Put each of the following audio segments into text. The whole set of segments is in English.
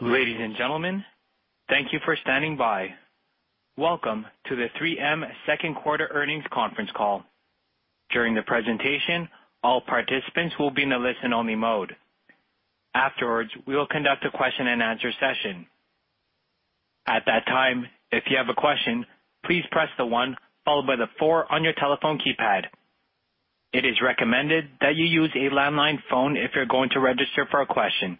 Ladies and gentlemen, thank you for standing by. Welcome to the 3M second quarter earnings conference call. During the presentation, all participants will be in the listen-only mode. Afterwards, we will conduct a question and answer session. At that time, if you have a question, please press the 1 followed by the 4 on your telephone keypad. It is recommended that you use a landline phone if you are going to register for a question.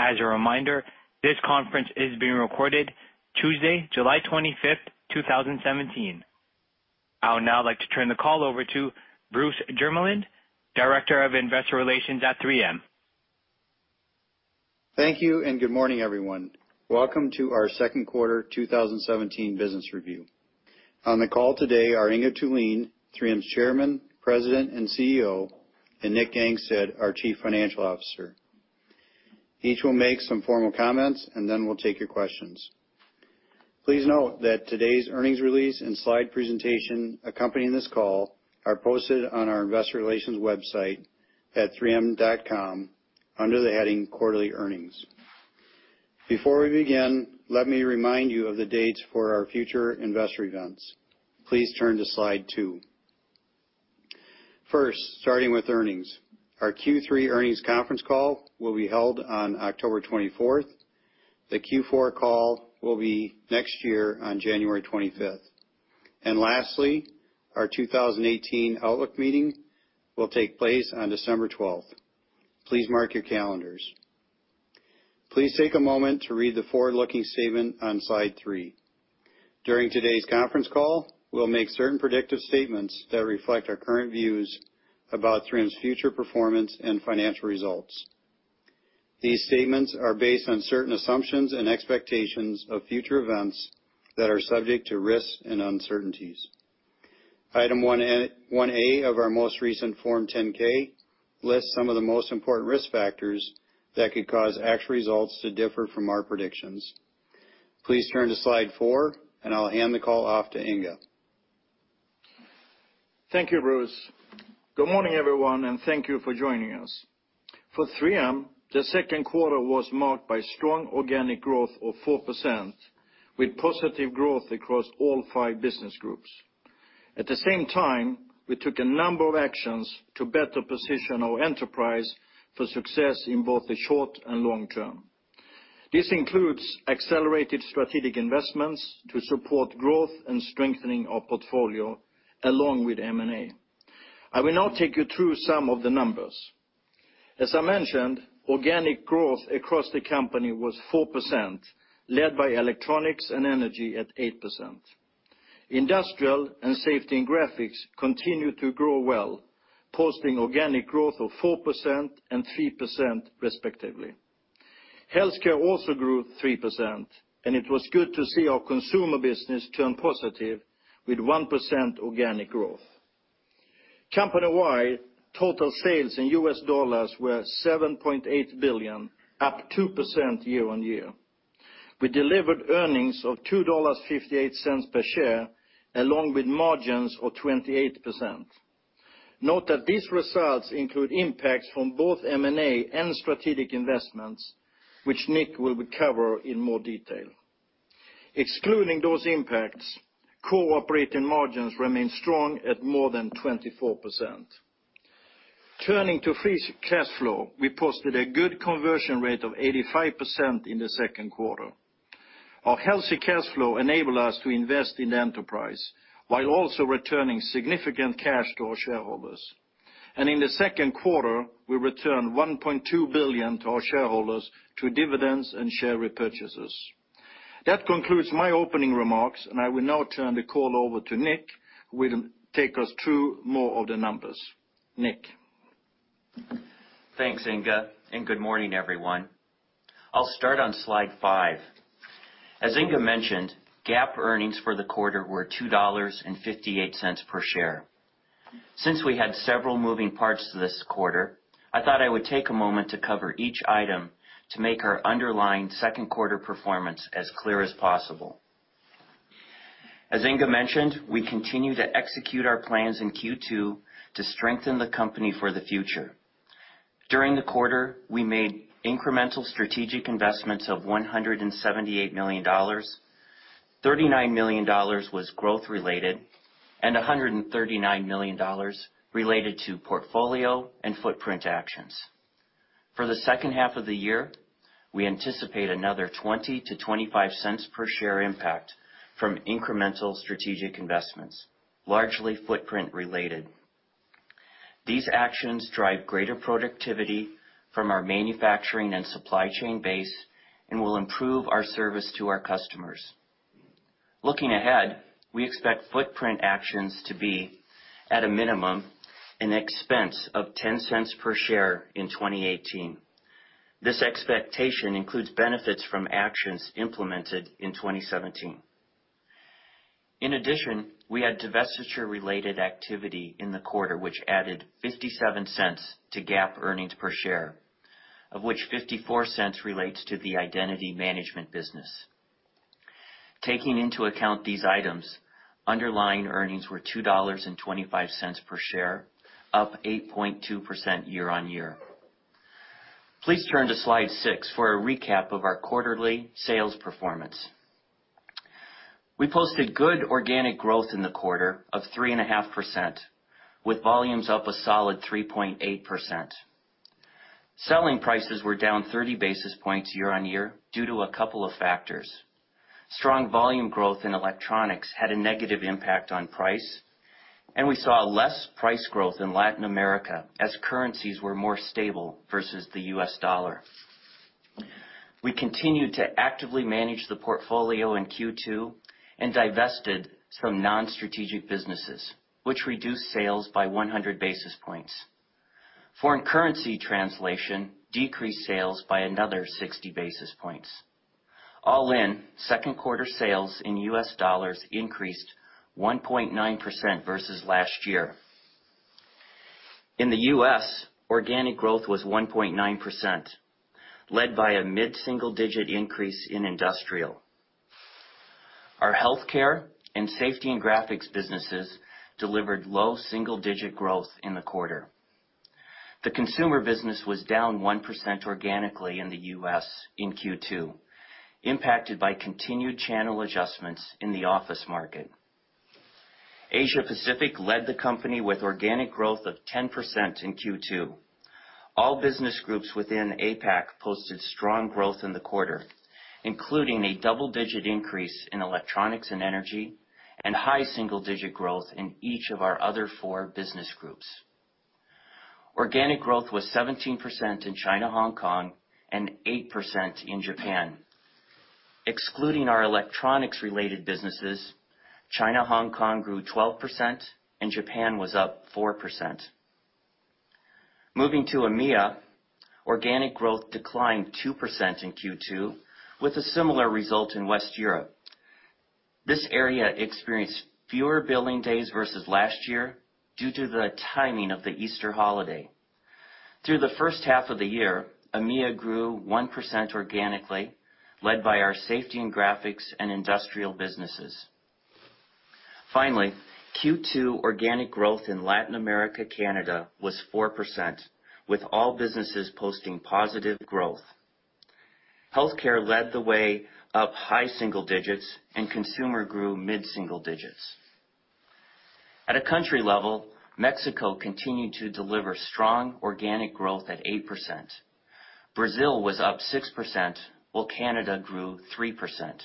As a reminder, this conference is being recorded Tuesday, July 25, 2017. I would now like to turn the call over to Bruce Jermeland, Director of Investor Relations at 3M. Thank you, and good morning, everyone. Welcome to our second quarter 2017 business review. On the call today are Inge Thulin, 3M's Chairman, President, and CEO, and Nick Gangestad, our Chief Financial Officer. Each will make some formal comments, and then we will take your questions. Please note that today's earnings release and slide presentation accompanying this call are posted on our investor relations website at 3m.com under the heading Quarterly Earnings. Before we begin, let me remind you of the dates for our future investor events. Please turn to slide two. First, starting with earnings. Our Q3 earnings conference call will be held on October 24. The Q4 call will be next year on January 25. And lastly, our 2018 outlook meeting will take place on December 12. Please mark your calendars. Please take a moment to read the forward-looking statement on slide three. During today's conference call, we will make certain predictive statements that reflect our current views about 3M's future performance and financial results. These statements are based on certain assumptions and expectations of future events that are subject to risks and uncertainties. Item 1A of our most recent Form 10-K lists some of the most important risk factors that could cause actual results to differ from our predictions. Please turn to slide four, and I will hand the call off to Inge. Thank you, Bruce. Good morning, everyone, and thank you for joining us. For 3M, the second quarter was marked by strong organic growth of 4%, with positive growth across all five business groups. At the same time, we took a number of actions to better position our enterprise for success in both the short and long term. This includes accelerated strategic investments to support growth and strengthening our portfolio along with M&A. I will now take you through some of the numbers. As I mentioned, organic growth across the company was 4%, led by Electronics and Energy at 8%. Industrial and Safety and Graphics continued to grow well, posting organic growth of 4% and 3% respectively. Healthcare also grew 3%, and it was good to see our Consumer business turn positive with 1% organic growth. Company-wide total sales in U.S. dollars were $7.8 billion, up 2% year-on-year. We delivered earnings of $2.58 per share, along with margins of 28%. Note that these results include impacts from both M&A and strategic investments, which Nick will cover in more detail. Excluding those impacts, core operating margins remain strong at more than 24%. Turning to free cash flow, we posted a good conversion rate of 85% in the second quarter. Our healthy cash flow enabled us to invest in the enterprise while also returning significant cash to our shareholders. In the second quarter, we returned $1.2 billion to our shareholders through dividends and share repurchases. That concludes my opening remarks, and I will now turn the call over to Nick, who will take us through more of the numbers. Nick? Thanks, Inge, and good morning, everyone. I'll start on slide five. As Inge mentioned, GAAP earnings for the quarter were $2.58 per share. Since we had several moving parts to this quarter, I thought I would take a moment to cover each item to make our underlying second quarter performance as clear as possible. As Inge mentioned, we continue to execute our plans in Q2 to strengthen the company for the future. During the quarter, we made incremental strategic investments of $178 million. $39 million was growth-related, and $139 million related to portfolio and footprint actions. For the second half of the year, we anticipate another $0.20 to $0.25 per share impact from incremental strategic investments, largely footprint related. These actions drive greater productivity from our manufacturing and supply chain base and will improve our service to our customers. Looking ahead, we expect footprint actions to be, at a minimum, an expense of $0.10 per share in 2018. This expectation includes benefits from actions implemented in 2017. In addition, we had divestiture-related activity in the quarter, which added $0.57 to GAAP earnings per share, of which $0.54 relates to the identity management business. Taking into account these items, underlying earnings were $2.25 per share, up 8.2% year-on-year. Please turn to Slide 6 for a recap of our quarterly sales performance. We posted good organic growth in the quarter of 3.5%, with volumes up a solid 3.8%. Selling prices were down 30 basis points year-on-year due to a couple of factors. Strong volume growth in electronics had a negative impact on price, and we saw less price growth in Latin America as currencies were more stable versus the US dollar. We continued to actively manage the portfolio in Q2 and divested some non-strategic businesses, which reduced sales by 100 basis points. Foreign currency translation decreased sales by another 60 basis points. All in, second quarter sales in US dollars increased 1.9% versus last year. In the U.S., organic growth was 1.9%, led by a mid-single-digit increase in industrial. Our healthcare and Safety and Graphics businesses delivered low double-digit growth in the quarter. The consumer business was down 1% organically in the U.S. in Q2, impacted by continued channel adjustments in the office market. Asia Pacific led the company with organic growth of 10% in Q2. All business groups within APAC posted strong growth in the quarter, including a double-digit increase in Electronics and Energy, and high single-digit growth in each of our other four business groups. Organic growth was 17% in China, Hong Kong, and 8% in Japan. Excluding our electronics-related businesses, China, Hong Kong grew 12%, and Japan was up 4%. Moving to EMEA, organic growth declined 2% in Q2 with a similar result in West Europe. This area experienced fewer billing days versus last year due to the timing of the Easter holiday. Through the first half of the year, EMEA grew 1% organically, led by our Safety and Graphics and industrial businesses. Q2 organic growth in Latin America, Canada was 4%, with all businesses posting positive growth. Healthcare led the way up high single digits and consumer grew mid single digits. At a country level, Mexico continued to deliver strong organic growth at 8%. Brazil was up 6%, while Canada grew 3%.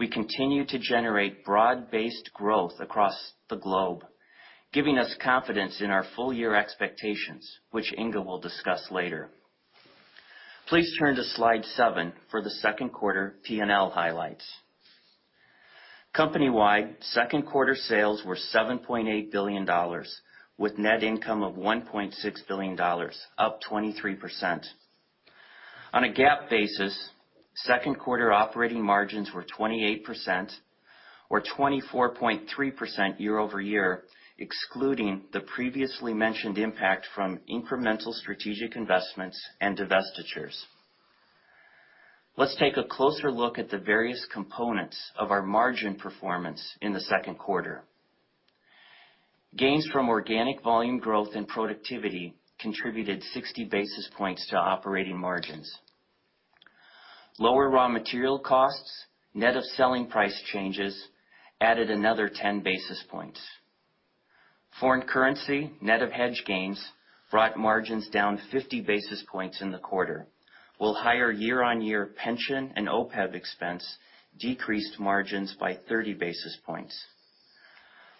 We continue to generate broad-based growth across the globe, giving us confidence in our full-year expectations, which Inge will discuss later. Please turn to Slide 7 for the second quarter P&L highlights. Company-wide second quarter sales were $7.8 billion, with net income of $1.6 billion, up 23%. On a GAAP basis, second quarter operating margins were 28% or 24.3% year-over-year, excluding the previously mentioned impact from incremental strategic investments and divestitures. Let's take a closer look at the various components of our margin performance in the second quarter. Gains from organic volume growth and productivity contributed 60 basis points to operating margins. Lower raw material costs, net of selling price changes, added another 10 basis points. Foreign currency, net of hedge gains, brought margins down 50 basis points in the quarter, while higher year-on-year pension and OPEB expense decreased margins by 30 basis points.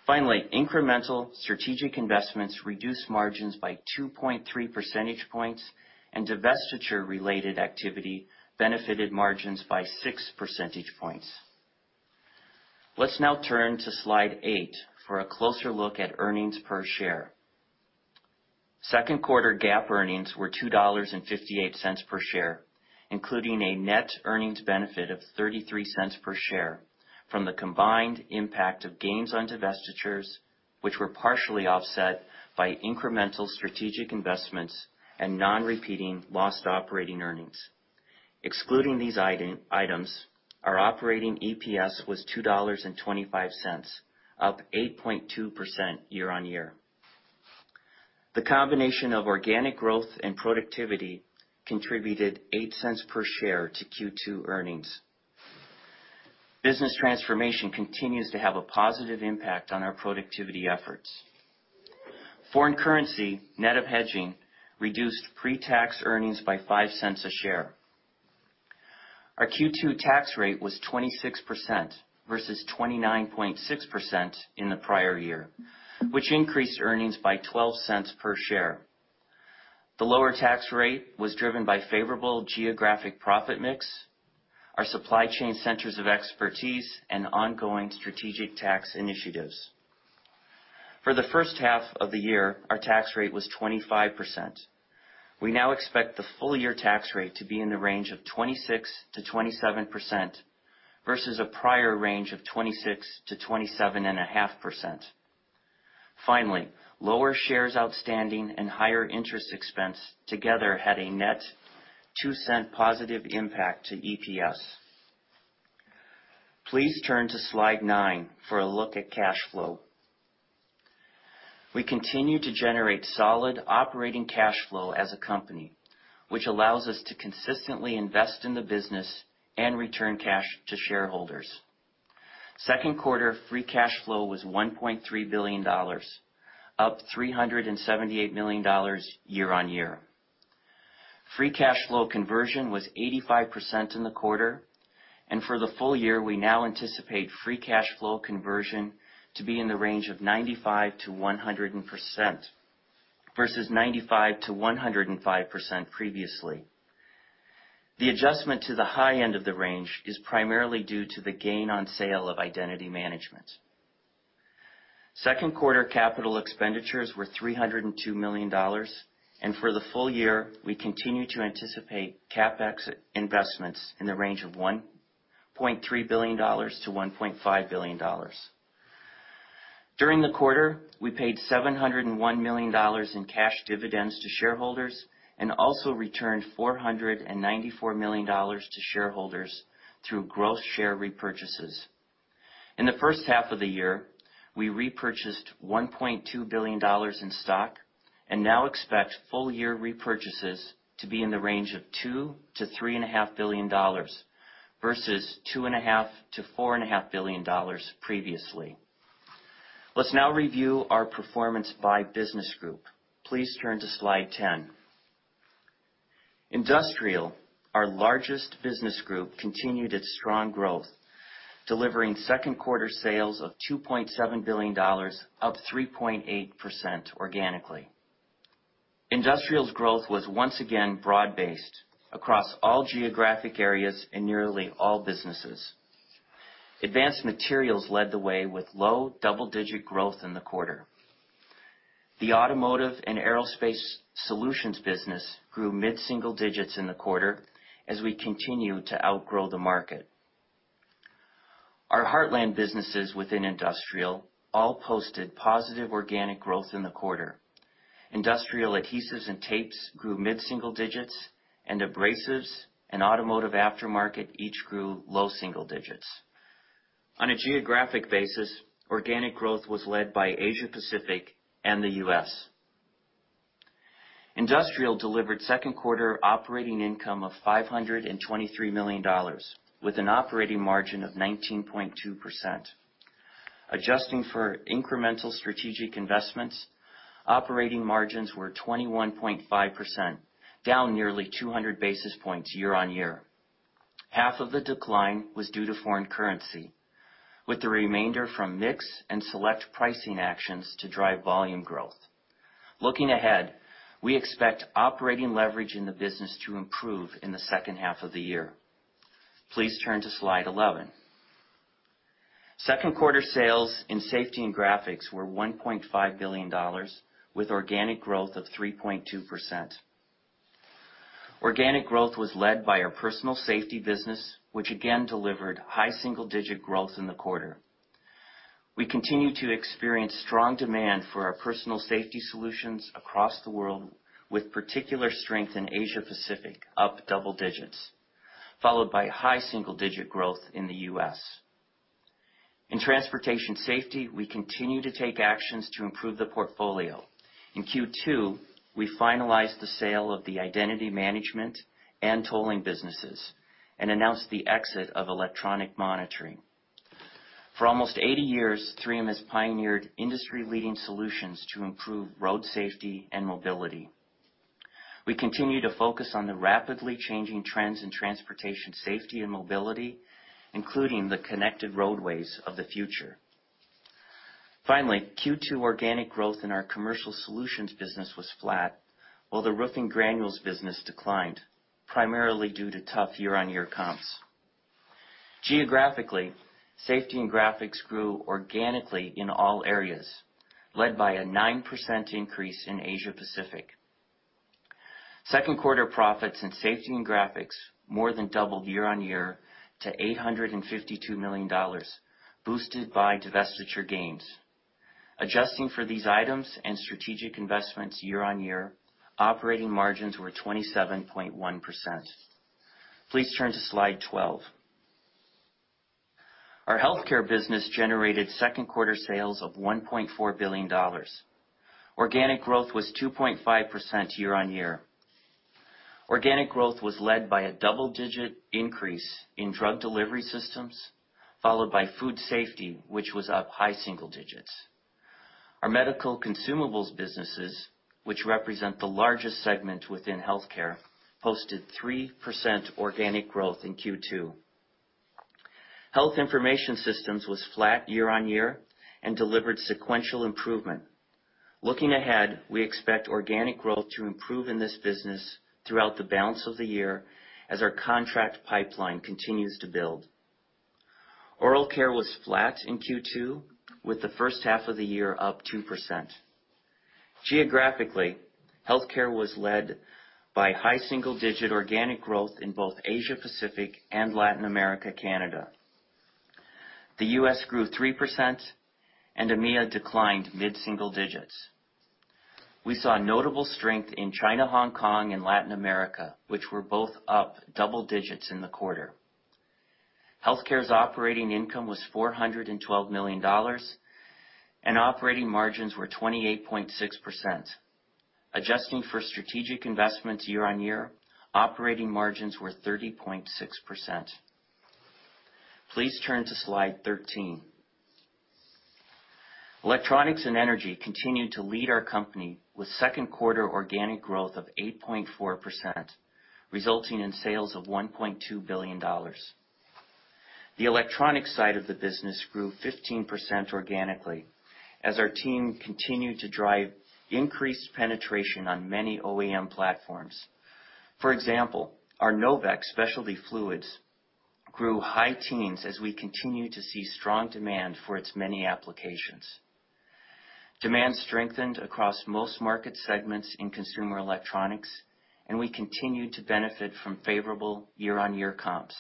Incremental strategic investments reduced margins by 2.3 percentage points, and divestiture-related activity benefited margins by 6 percentage points. Let's now turn to Slide 8 for a closer look at earnings per share. Second quarter GAAP earnings were $2.58 per share, including a net earnings benefit of $0.33 per share from the combined impact of gains on divestitures, which were partially offset by incremental strategic investments and non-repeating lost operating earnings. Excluding these items, our operating EPS was $2.25, up 8.2% year-on-year. The combination of organic growth and productivity contributed $0.08 per share to Q2 earnings. Foreign currency, net of hedging, reduced pre-tax earnings by $0.05 a share. Our Q2 tax rate was 26% versus 29.6% in the prior year, which increased earnings by $0.12 per share. The lower tax rate was driven by favorable geographic profit mix, our supply chain centers of expertise, and ongoing strategic tax initiatives. For the first half of the year, our tax rate was 25%. We now expect the full year tax rate to be in the range of 26%-27%, versus a prior range of 26%-27.5%. Lower shares outstanding and higher interest expense together had a net $0.02 positive impact to EPS. Please turn to Slide 9 for a look at cash flow. We continue to generate solid operating cash flow as a company, which allows us to consistently invest in the business and return cash to shareholders. Second quarter free cash flow was $1.3 billion, up $378 million year-on-year. Free cash flow conversion was 85% in the quarter, and for the full year, we now anticipate free cash flow conversion to be in the range of 95%-100%, versus 95%-105% previously. The adjustment to the high end of the range is primarily due to the gain on sale of identity management. Second quarter capital expenditures were $302 million. For the full year, we continue to anticipate CapEx investments in the range of $1.3 billion to $1.5 billion. During the quarter, we paid $701 million in cash dividends to shareholders and also returned $494 million to shareholders through growth share repurchases. In the first half of the year, we repurchased $1.2 billion in stock and now expect full year repurchases to be in the range of $2 billion to $3.5 billion, versus $2.5 billion to $4.5 billion previously. Let's now review our performance by business group. Please turn to slide 10. Industrial, our largest business group, continued its strong growth, delivering second quarter sales of $2.7 billion, up 3.8% organically. Industrial's growth was once again broad-based across all geographic areas in nearly all businesses. Advanced materials led the way with low double-digit growth in the quarter. The automotive and aerospace solutions business grew mid-single digits in the quarter, as we continue to outgrow the market. Our Heartland businesses within Industrial all posted positive organic growth in the quarter. Industrial adhesives and tapes grew mid-single digits, and abrasives and automotive aftermarket each grew low single digits. On a geographic basis, organic growth was led by Asia-Pacific and the U.S. Industrial delivered second quarter operating income of $523 million with an operating margin of 19.2%. Adjusting for incremental strategic investments, operating margins were 21.5%, down nearly 200 basis points year-on-year. Half of the decline was due to foreign currency, with the remainder from mix and select pricing actions to drive volume growth. Looking ahead, we expect operating leverage in the business to improve in the second half of the year. Please turn to slide 11. Second quarter sales in Safety and Graphics were $1.5 billion, with organic growth of 3.2%. Organic growth was led by our personal safety business, which again delivered high single-digit growth in the quarter. We continue to experience strong demand for our personal safety solutions across the world, with particular strength in Asia-Pacific, up double digits, followed by high single-digit growth in the U.S. In transportation safety, we continue to take actions to improve the portfolio. In Q2, we finalized the sale of the identity management and tolling businesses and announced the exit of electronic monitoring. For almost 80 years, 3M has pioneered industry-leading solutions to improve road safety and mobility. We continue to focus on the rapidly changing trends in transportation safety and mobility, including the connected roadways of the future. Finally, Q2 organic growth in our commercial solutions business was flat, while the roofing granules business declined, primarily due to tough year-on-year comps. Geographically, Safety and Graphics grew organically in all areas, led by a 9% increase in Asia-Pacific. Second quarter profits in Safety and Graphics more than doubled year-on-year to $852 million, boosted by divestiture gains. Adjusting for these items and strategic investments year-on-year, operating margins were 27.1%. Please turn to slide 12. Our healthcare business generated second quarter sales of $1.4 billion. Organic growth was 2.5% year-on-year. Organic growth was led by a double-digit increase in drug delivery systems, followed by food safety, which was up high single digits. Our medical consumables businesses, which represent the largest segment within healthcare, posted 3% organic growth in Q2. Health information systems was flat year-on-year and delivered sequential improvement. Looking ahead, we expect organic growth to improve in this business throughout the balance of the year as our contract pipeline continues to build. Oral Care was flat in Q2, with the first half of the year up 2%. Geographically, healthcare was led by high single-digit organic growth in both Asia-Pacific and Latin America, Canada. The U.S. grew 3%, and EMEA declined mid-single digits. We saw notable strength in China, Hong Kong, and Latin America, which were both up double digits in the quarter. Healthcare's operating income was $412 million, and operating margins were 28.6%. Adjusting for strategic investments year-on-year, operating margins were 30.6%. Please turn to slide 13. Electronics and Energy continued to lead our company with second quarter organic growth of 8.4%, resulting in sales of $1.2 billion. The electronic side of the business grew 15% organically as our team continued to drive increased penetration on many OEM platforms. For example, our Novec specialty fluids grew high teens as we continued to see strong demand for its many applications. Demand strengthened across most market segments in consumer electronics, and we continued to benefit from favorable year-on-year comps.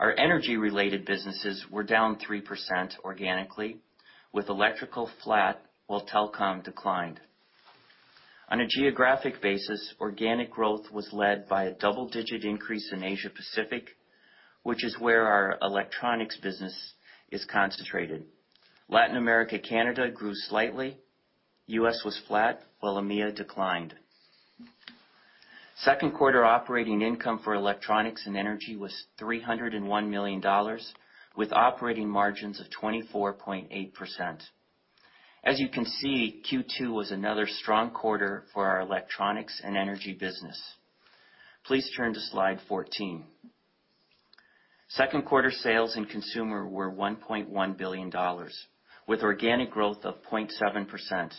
Our energy-related businesses were down 3% organically, with electrical flat, while telecom declined. On a geographic basis, organic growth was led by a double-digit increase in Asia-Pacific, which is where our electronics business is concentrated. Latin America, Canada grew slightly, U.S. was flat, while EMEA declined. Second quarter operating income for Electronics and Energy was $301 million with operating margins of 24.8%. As you can see, Q2 was another strong quarter for our Electronics and Energy business. Please turn to slide 14. Second quarter sales and consumer were $1.1 billion, with organic growth of 0.7%,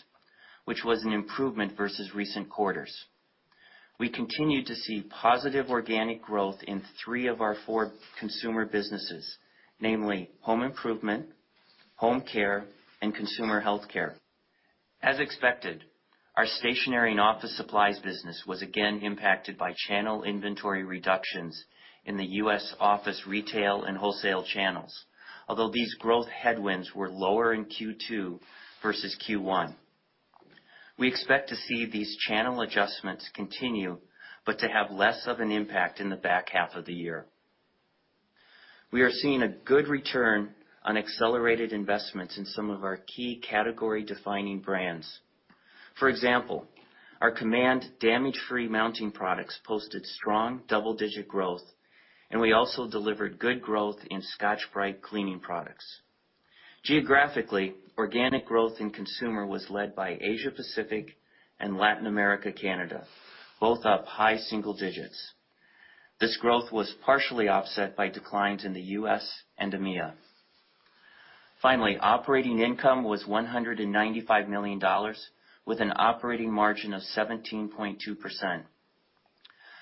which was an improvement versus recent quarters. We continued to see positive organic growth in three of our four consumer businesses, namely home improvement, home care, and consumer healthcare. As expected, our stationary and office supplies business was again impacted by channel inventory reductions in the U.S. office retail and wholesale channels. Although these growth headwinds were lower in Q2 versus Q1. We expect to see these channel adjustments continue, but to have less of an impact in the back half of the year. We are seeing a good return on accelerated investments in some of our key category-defining brands. For example, our Command damage-free mounting products posted strong double-digit growth, and we also delivered good growth in Scotch-Brite cleaning products. Geographically, organic growth in consumer was led by Asia-Pacific and Latin America, Canada, both up high single digits. This growth was partially offset by declines in the U.S. and EMEA. Finally, operating income was $195 million, with an operating margin of 17.2%.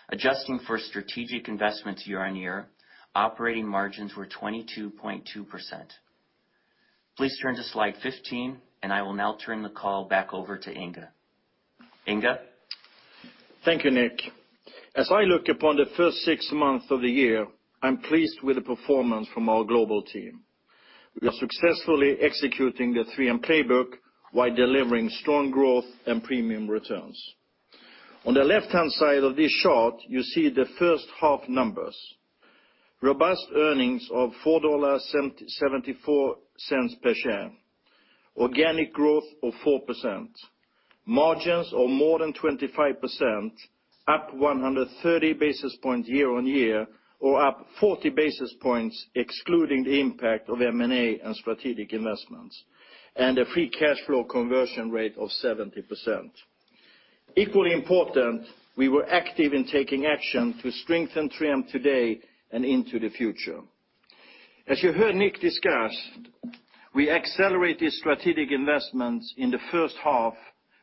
Adjusting for strategic investments year-on-year, operating margins were 22.2%. Please turn to slide 15, and I will now turn the call back over to Inge. Inge? Thank you, Nick. As I look upon the first six months of the year, I'm pleased with the performance from our global team. We are successfully executing the 3M playbook while delivering strong growth and premium returns. On the left-hand side of this chart, you see the first half numbers. Robust earnings of $4.74 per share, organic growth of 4%, margins of more than 25%, up 130 basis points year-on-year, or up 40 basis points excluding the impact of M&A and strategic investments, and a free cash flow conversion rate of 70%. Equally important, we were active in taking action to strengthen 3M today and into the future. As you heard Nick discuss, we accelerated strategic investments in the first half,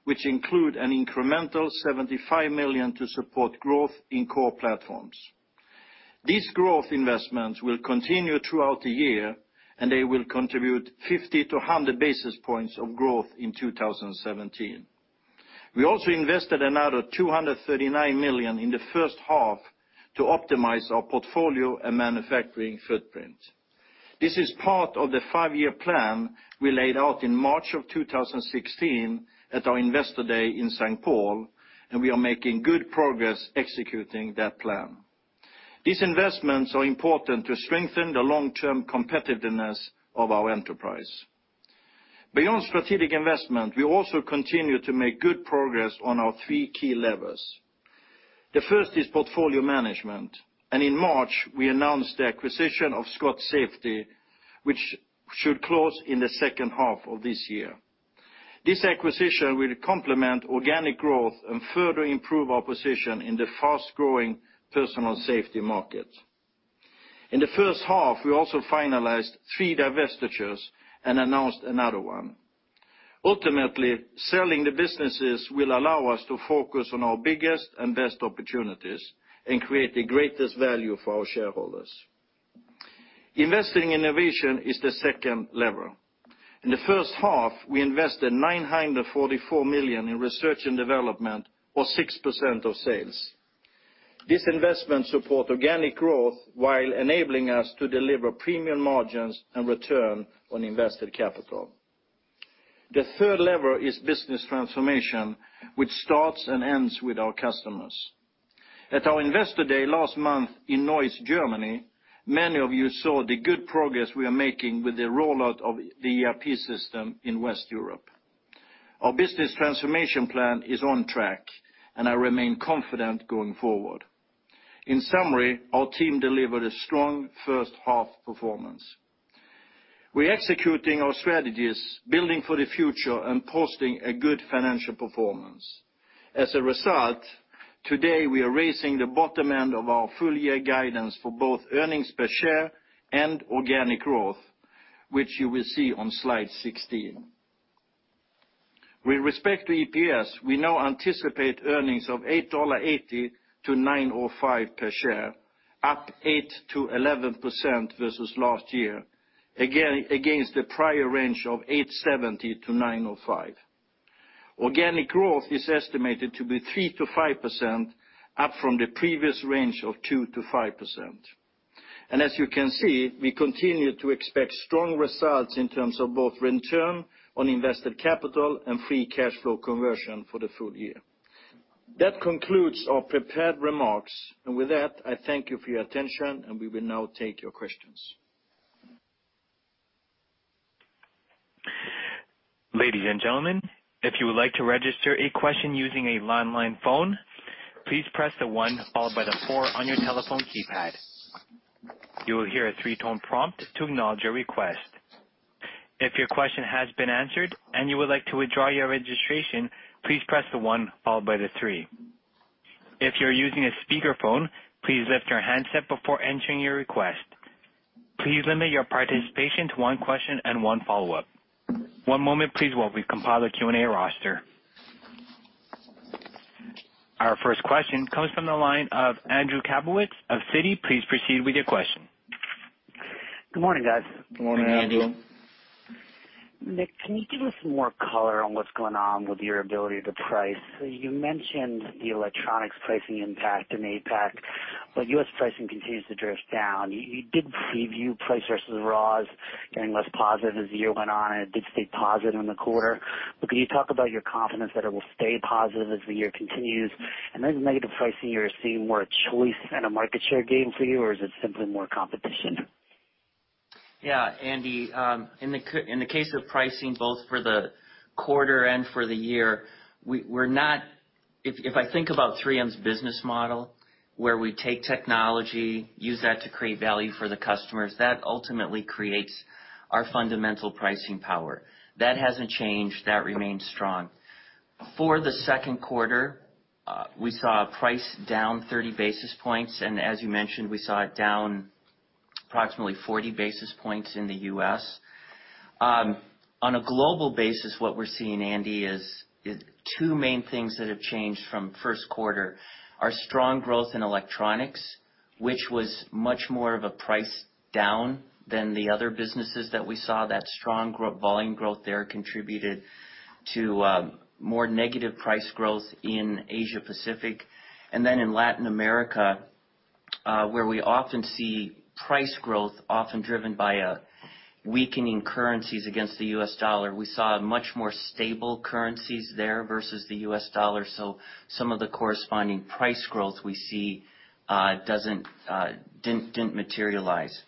which include an incremental $75 million to support growth in core platforms. These growth investments will continue throughout the year, they will contribute 50 to 100 basis points of growth in 2017. We also invested another $239 million in the first half to optimize our portfolio and manufacturing footprint. This is part of the five-year plan we laid out in March of 2016 at our investor day in St. Paul, We are making good progress executing that plan. These investments are important to strengthen the long-term competitiveness of our enterprise. Beyond strategic investment, we also continue to make good progress on our three key levers. The first is portfolio management, In March, we announced the acquisition of Scott Safety, which should close in the second half of this year. This acquisition will complement organic growth and further improve our position in the fast-growing personal safety market. In the first half, we also finalized three divestitures and announced another one. Ultimately, selling the businesses will allow us to focus on our biggest and best opportunities and create the greatest value for our shareholders. Investing in innovation is the second lever. In the first half, we invested $944 million in research and development, or 6% of sales. This investment support organic growth while enabling us to deliver premium margins and return on invested capital. The third lever is business transformation, which starts and ends with our customers. At our investor day last month in Neuss, Germany, many of you saw the good progress we are making with the rollout of the ERP system in West Europe. Our business transformation plan is on track, I remain confident going forward. In summary, our team delivered a strong first half performance. We're executing our strategies, building for the future, and posting a good financial performance. As a result, today we are raising the bottom end of our full year guidance for both earnings per share and organic growth, which you will see on slide 16. With respect to EPS, we now anticipate earnings of $8.80-$9.05 per share, up 8%-11% versus last year, against the prior range of $8.70-$9.05. Organic growth is estimated to be 3%-5%, up from the previous range of 2%-5%. As you can see, we continue to expect strong results in terms of both return on invested capital and free cash flow conversion for the full year. That concludes our prepared remarks, With that, I thank you for your attention, We will now take your questions. Ladies and gentlemen, if you would like to register a question using a landline phone, please press the one followed by the four on your telephone keypad. You will hear a three-tone prompt to acknowledge your request. If your question has been answered and you would like to withdraw your registration, please press the one followed by the three. If you're using a speakerphone, please lift your handset before entering your request. Please limit your participation to one question and one follow-up. One moment, please, while we compile a Q&A roster. Our first question comes from the line of Andrew Kaplowitz of Citi. Please proceed with your question. Good morning, guys. Good morning, Andrew. Good morning. Nick, can you give us more color on what's going on with your ability to price? You mentioned the electronics pricing impact in APAC, but U.S. pricing continues to drift down. You did preview price versus raws getting less positive as the year went on, and it did stay positive in the quarter. Could you talk about your confidence that it will stay positive as the year continues? The negative pricing you're seeing more a choice and a market share gain for you, or is it simply more competition? Yeah, Andy, in the case of pricing both for the quarter and for the year, if I think about 3M's business model, where we take technology, use that to create value for the customers, that ultimately creates our fundamental pricing power. That hasn't changed. That remains strong. For the second quarter, we saw a price down 30 basis points, and as you mentioned, we saw it down approximately 40 basis points in the U.S. On a global basis, what we're seeing, Andy, is two main things that have changed from first quarter are strong growth in electronics, which was much more of a price down than the other businesses that we saw. That strong volume growth there contributed to more negative price growth in Asia Pacific. In Latin America, where we often see price growth often driven by a weakening currencies against the U.S. dollar, we saw a much more stable currencies there versus the U.S. dollar. Some of the corresponding price growth we see didn't materialize.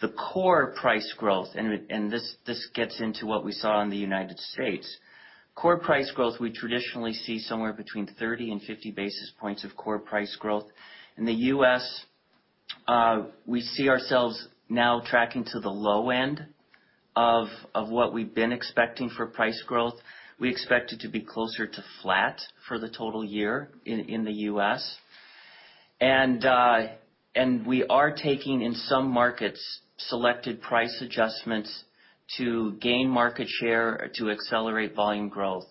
The core price growth, and this gets into what we saw in the United States. Core price growth, we traditionally see somewhere between 30 and 50 basis points of core price growth. In the U.S., we see ourselves now tracking to the low end of what we've been expecting for price growth. We expect it to be closer to flat for the total year in the U.S. We are taking, in some markets, selected price adjustments to gain market share to accelerate volume growth.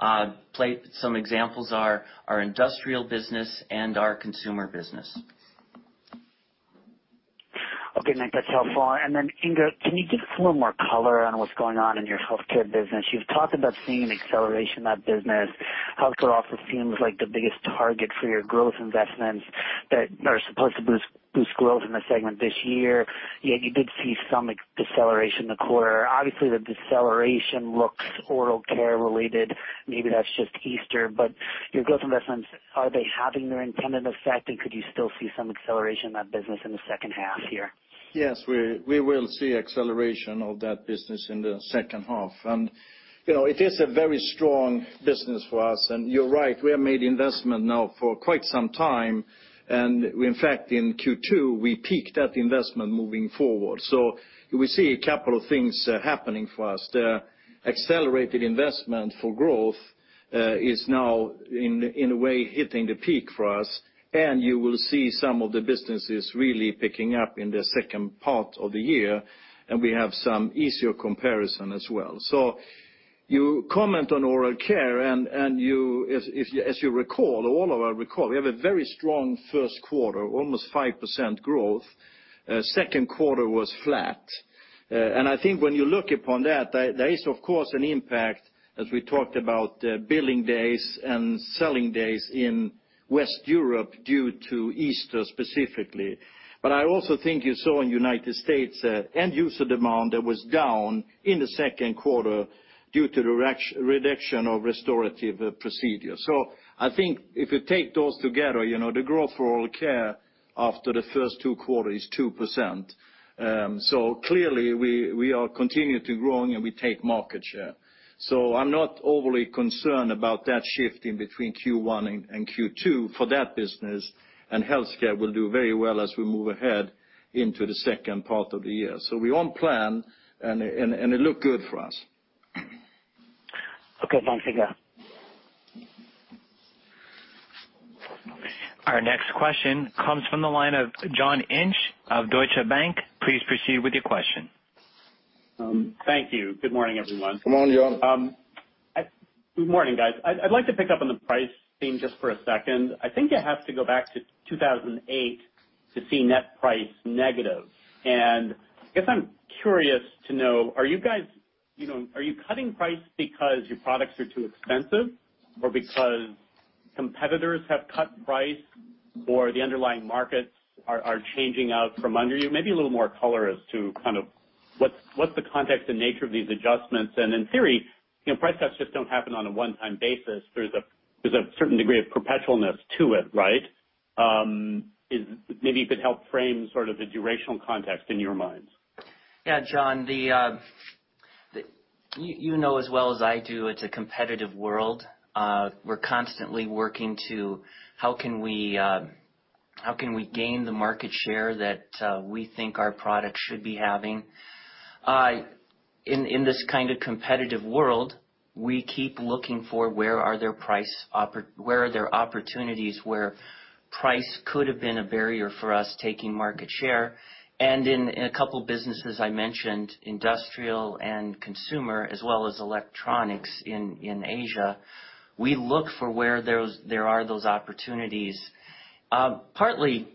Some examples are our industrial business and our consumer business. Okay, Nick, that's helpful. Inge, can you give us a little more color on what's going on in your healthcare business? You've talked about seeing an acceleration of that business. Healthcare also seems like the biggest target for your growth investments that are supposed to boost growth in the segment this year, yet you did see some deceleration in the quarter. Obviously, the deceleration looks Oral Care-related. Maybe that's just Easter. Your growth investments, are they having their intended effect, and could you still see some acceleration of that business in the second half year? Yes, we will see acceleration of that business in the second half. It is a very strong business for us. You're right, we have made the investment now for quite some time. In fact, in Q2, we peaked that investment moving forward. We see a couple of things happening for us. The accelerated investment for growth is now, in a way, hitting the peak for us, You will see some of the businesses really picking up in the second part of the year, We have some easier comparison as well. You comment on Oral Care, as you recall, all of us recall, we have a very strong first quarter, almost 5% growth. Second quarter was flat. I think when you look upon that, there is, of course, an impact, as we talked about billing days and selling days in West Europe due to Easter specifically. I also think you saw in U.S., end user demand that was down in the second quarter due to the reduction of restorative procedures. I think if you take those together, the growth for Oral Care after the first two quarters is 2%. Clearly, we are continuing to grow, We take market share. I'm not overly concerned about that shift in between Q1 and Q2 for that business. Healthcare will do very well as we move ahead into the second part of the year. We're on plan, It looked good for us. Okay. Thanks, Inge. Our next question comes from the line of John Inch of Deutsche Bank. Please proceed with your question. Thank you. Good morning, everyone. Good morning, John. Good morning, guys. I'd like to pick up on the price theme just for a second. I think you have to go back to 2008 to see net price negative. I guess I'm curious to know, are you cutting price because your products are too expensive or because competitors have cut price or the underlying markets are changing out from under you? Maybe a little more color as to kind of what's the context and nature of these adjustments. In theory, price cuts just don't happen on a one-time basis. There's a certain degree of perpetualness to it, right? Maybe you could help frame sort of the durational context in your minds. Yeah. John, you know as well as I do, it's a competitive world. We're constantly working to, how can we gain the market share that we think our product should be having? In this kind of competitive world, we keep looking for where are there opportunities where price could have been a barrier for us taking market share. In a couple of businesses I mentioned, industrial and consumer, as well as electronics in Asia, we look for where there are those opportunities. Partly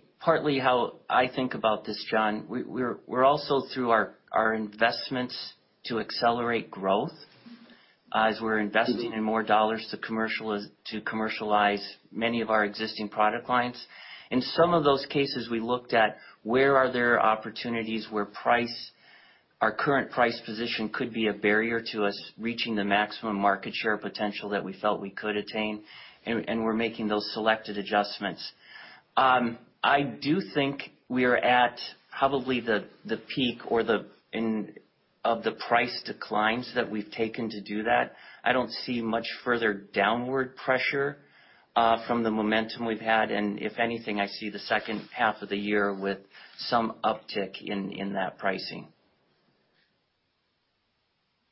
how I think about this, John, we're also through our investments to accelerate growth, as we're investing in more dollars to commercialize many of our existing product lines. In some of those cases, we looked at where are there opportunities where our current price position could be a barrier to us reaching the maximum market share potential that we felt we could attain, and we're making those selected adjustments. I do think we are at probably the peak of the price declines that we've taken to do that. I don't see much further downward pressure from the momentum we've had, and if anything, I see the second half of the year with some uptick in that pricing.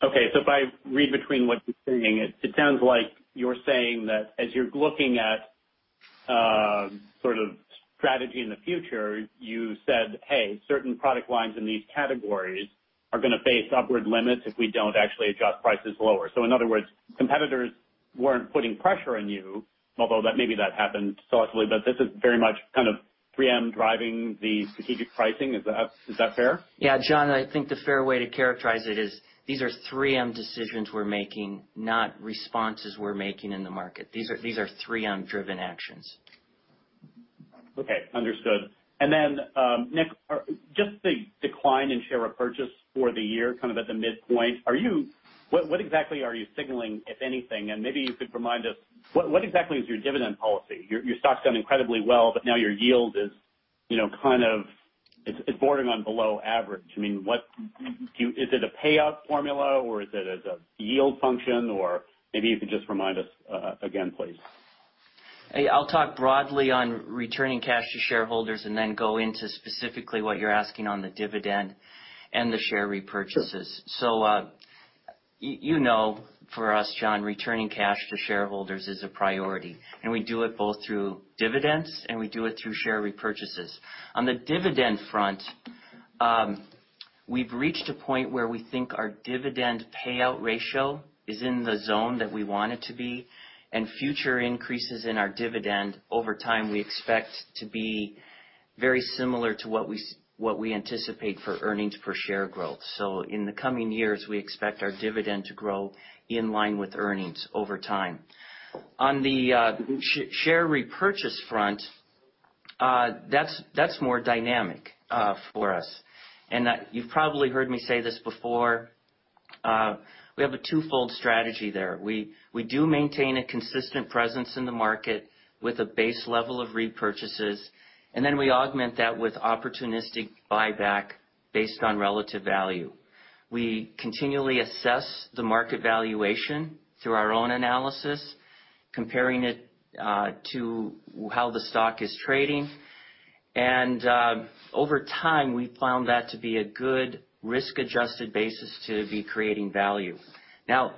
Okay. If I read between what you're saying, it sounds like you're saying that as you're looking at sort of strategy in the future, you said, "Hey, certain product lines in these categories are going to face upward limits if we don't actually adjust prices lower." In other words, competitors weren't putting pressure on you, although maybe that happened subtly, but this is very much kind of 3M driving the strategic pricing. Is that fair? Yeah, John, I think the fair way to characterize it is these are 3M decisions we're making, not responses we're making in the market. These are 3M-driven actions. Okay. Understood. Then, Nick, just the decline in share repurchase for the year, kind of at the midpoint. What exactly are you signaling, if anything? Maybe you could remind us, what exactly is your dividend policy? Your stock's done incredibly well, but now your yield is bordering on below average. Is it a payout formula, or is it a yield function? Maybe you could just remind us again, please. I'll talk broadly on returning cash to shareholders and then go into specifically what you're asking on the dividend and the share repurchases. You know, for us, John, returning cash to shareholders is a priority, and we do it both through dividends, and we do it through share repurchases. On the dividend front, we've reached a point where we think our dividend payout ratio is in the zone that we want it to be, and future increases in our dividend over time, we expect to be very similar to what we anticipate for earnings per share growth. In the coming years, we expect our dividend to grow in line with earnings over time. On the share repurchase front, that's more dynamic for us. You've probably heard me say this before, we have a twofold strategy there. We do maintain a consistent presence in the market with a base level of repurchases, then we augment that with opportunistic buyback based on relative value. We continually assess the market valuation through our own analysis, comparing it to how the stock is trading. Over time, we found that to be a good risk-adjusted basis to be creating value. Now,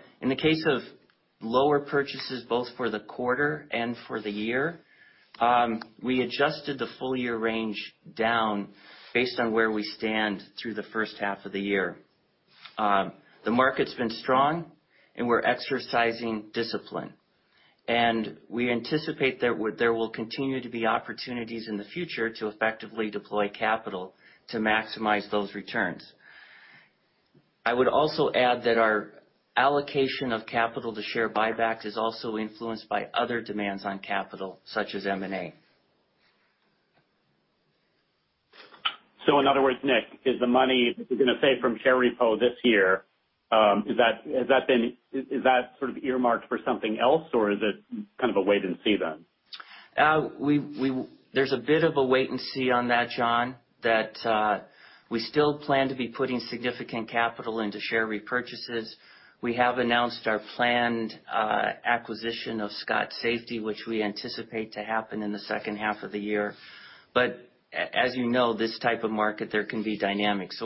lower purchases both for the quarter and for the year. We adjusted the full-year range down based on where we stand through the first half of the year. The market's been strong, we're exercising discipline, and we anticipate there will continue to be opportunities in the future to effectively deploy capital to maximize those returns. I would also add that our allocation of capital to share buybacks is also influenced by other demands on capital, such as M&A. In other words, Nick, is the money you're going to save from share repo this year, is that sort of earmarked for something else, or is it kind of a wait and see then? There's a bit of a wait and see on that, John, that we still plan to be putting significant capital into share repurchases. We have announced our planned acquisition of Scott Safety, which we anticipate to happen in the second half of the year. As you know, this type of market, there can be dynamics.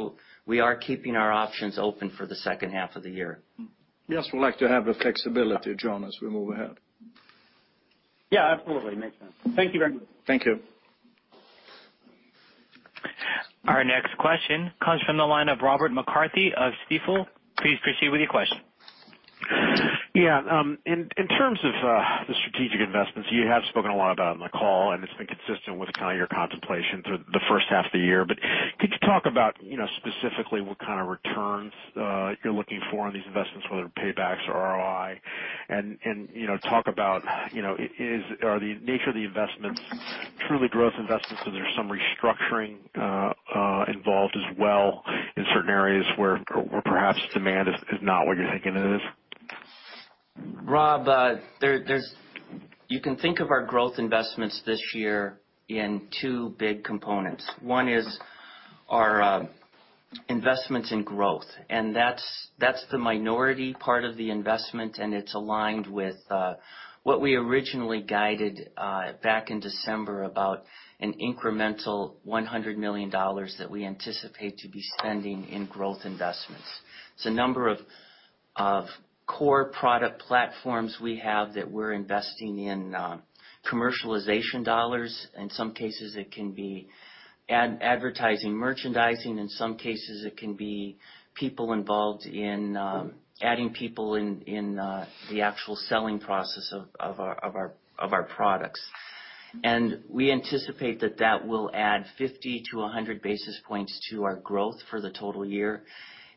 We are keeping our options open for the second half of the year. Yes, we like to have the flexibility, John, as we move ahead. Yeah, absolutely. Makes sense. Thank you very much. Thank you. Our next question comes from the line of Robert McCarthy of Stifel. Please proceed with your question. Yeah. In terms of the strategic investments, you have spoken a lot about on the call, and it's been consistent with kind of your contemplation through the first half of the year. Could you talk about specifically what kind of returns you're looking for on these investments, whether paybacks or ROI, and talk about are the nature of the investments truly growth investments or there's some restructuring involved as well in certain areas where perhaps demand is not what you're thinking it is? Rob, you can think of our growth investments this year in two big components. One is our investments in growth, and that's the minority part of the investment, and it's aligned with what we originally guided back in December about an incremental $100 million that we anticipate to be spending in growth investments. It's a number of core product platforms we have that we're investing in commercialization dollars. In some cases it can be advertising, merchandising. In some cases it can be people involved in adding people in the actual selling process of our products. We anticipate that that will add 50 to 100 basis points to our growth for the total year.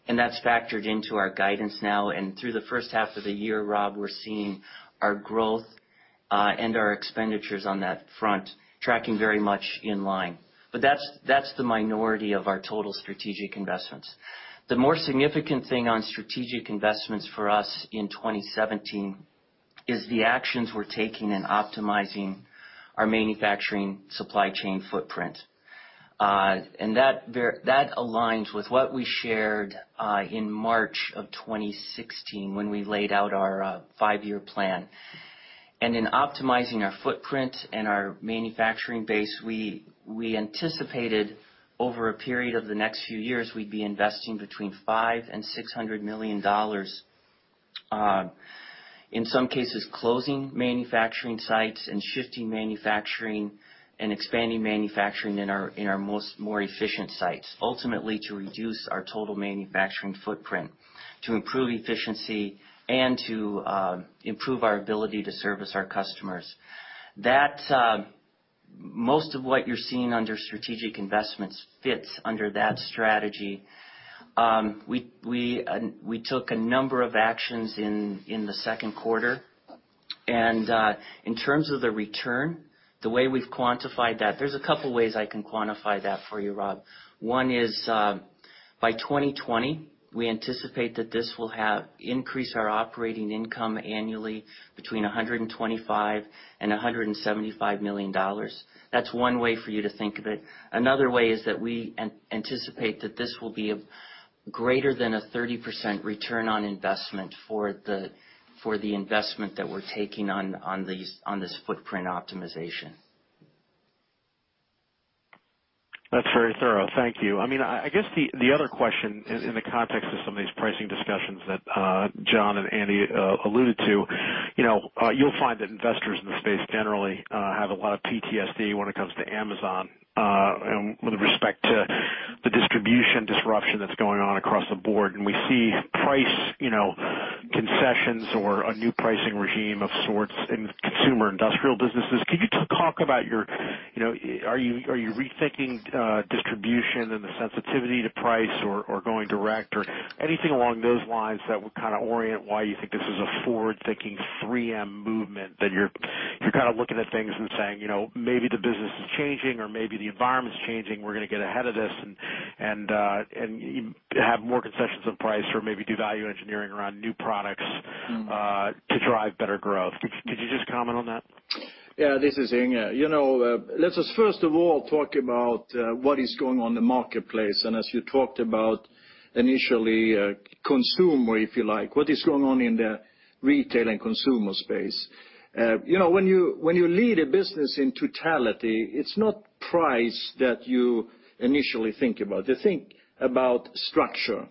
That's factored into our guidance now. Through the first half of the year, Rob, we're seeing our growth, and our expenditures on that front tracking very much in line. That's the minority of our total strategic investments. The more significant thing on strategic investments for us in 2017 is the actions we're taking in optimizing our manufacturing supply chain footprint. That aligns with what we shared in March of 2016 when we laid out our five-year plan. In optimizing our footprint and our manufacturing base, we anticipated over a period of the next few years, we'd be investing between $500 million and $600 million, in some cases closing manufacturing sites and shifting manufacturing and expanding manufacturing in our most more efficient sites, ultimately to reduce our total manufacturing footprint, to improve efficiency and to improve our ability to service our customers. Most of what you're seeing under strategic investments fits under that strategy. We took a number of actions in the second quarter. In terms of the return, the way we've quantified that, there's a couple ways I can quantify that for you, Rob. One is, by 2020, we anticipate that this will increase our operating income annually between $125 million and $175 million. That's one way for you to think of it. Another way is that we anticipate that this will be greater than a 30% return on investment for the investment that we're taking on this footprint optimization. That's very thorough. Thank you. I guess the other question in the context of some of these pricing discussions that John and Andy alluded to, you'll find that investors in the space generally have a lot of PTSD when it comes to Amazon, with respect to the distribution disruption that's going on across the board. We see price concessions or a new pricing regime of sorts in consumer industrial businesses. Can you talk about are you rethinking distribution and the sensitivity to price or going direct or anything along those lines that would kind of orient why you think this is a forward-thinking 3M movement, that you're kind of looking at things and saying, "Maybe the business is changing or maybe the environment's changing. We're going to get ahead of this and have more concessions on price or maybe do value engineering around new products to drive better growth. Could you just comment on that? Yeah, this is Inge. Let us first of all talk about what is going on in the marketplace, and as you talked about initially, consumer, if you like. What is going on in the retail and consumer space? When you lead a business in totality, it's not price that you initially think about. You think about structure,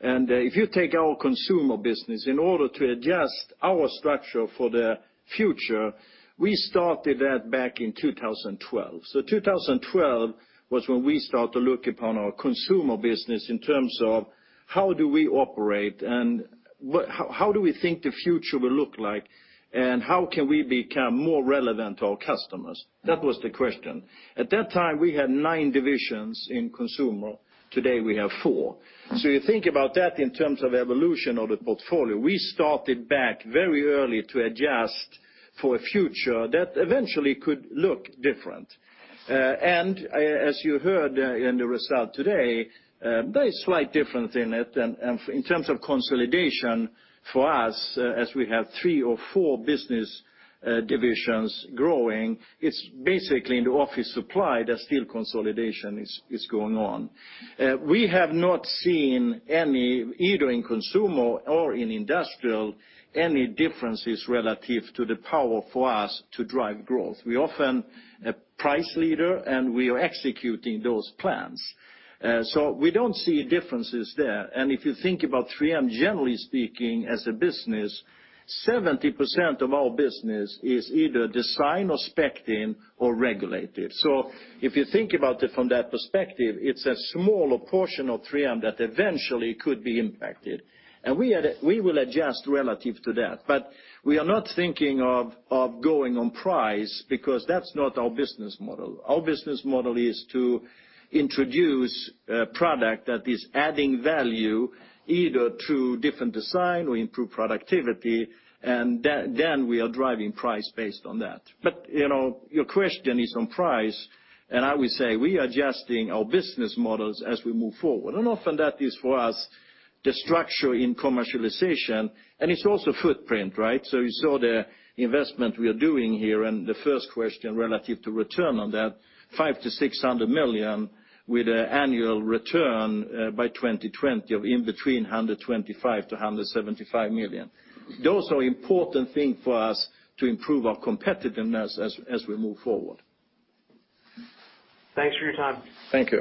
and if you take our consumer business, in order to adjust our structure for the future, we started that back in 2012. 2012 was when we start to look upon our consumer business in terms of how do we operate, and how do we think the future will look like, and how can we become more relevant to our customers? That was the question. At that time, we had nine divisions in consumer. Today, we have four. You think about that in terms of evolution of the portfolio. We started back very early to adjust for a future that eventually could look different. As you heard in the result today, very slight difference in it. In terms of consolidation for us, as we have three or four business divisions growing, it's basically in the office supply that still consolidation is going on. We have not seen any, either in consumer or in industrial, any differences relative to the power for us to drive growth. We often a price leader, and we are executing those plans. We don't see differences there. If you think about 3M, generally speaking, as a business, 70% of our business is either design or spec'd in or regulated. If you think about it from that perspective, it's a smaller portion of 3M that eventually could be impacted. We will adjust relative to that. We are not thinking of going on price because that's not our business model. Our business model is to introduce a product that is adding value, either through different design or improved productivity, and then we are driving price based on that. Your question is on price, and I would say we are adjusting our business models as we move forward. Often that is, for us, the structure in commercialization, and it's also footprint, right? You saw the investment we are doing here in the first question relative to return on that. $5 million-$600 million with an annual return by 2020 of in between $125 million-$175 million. Those are important things for us to improve our competitiveness as we move forward. Thanks for your time. Thank you.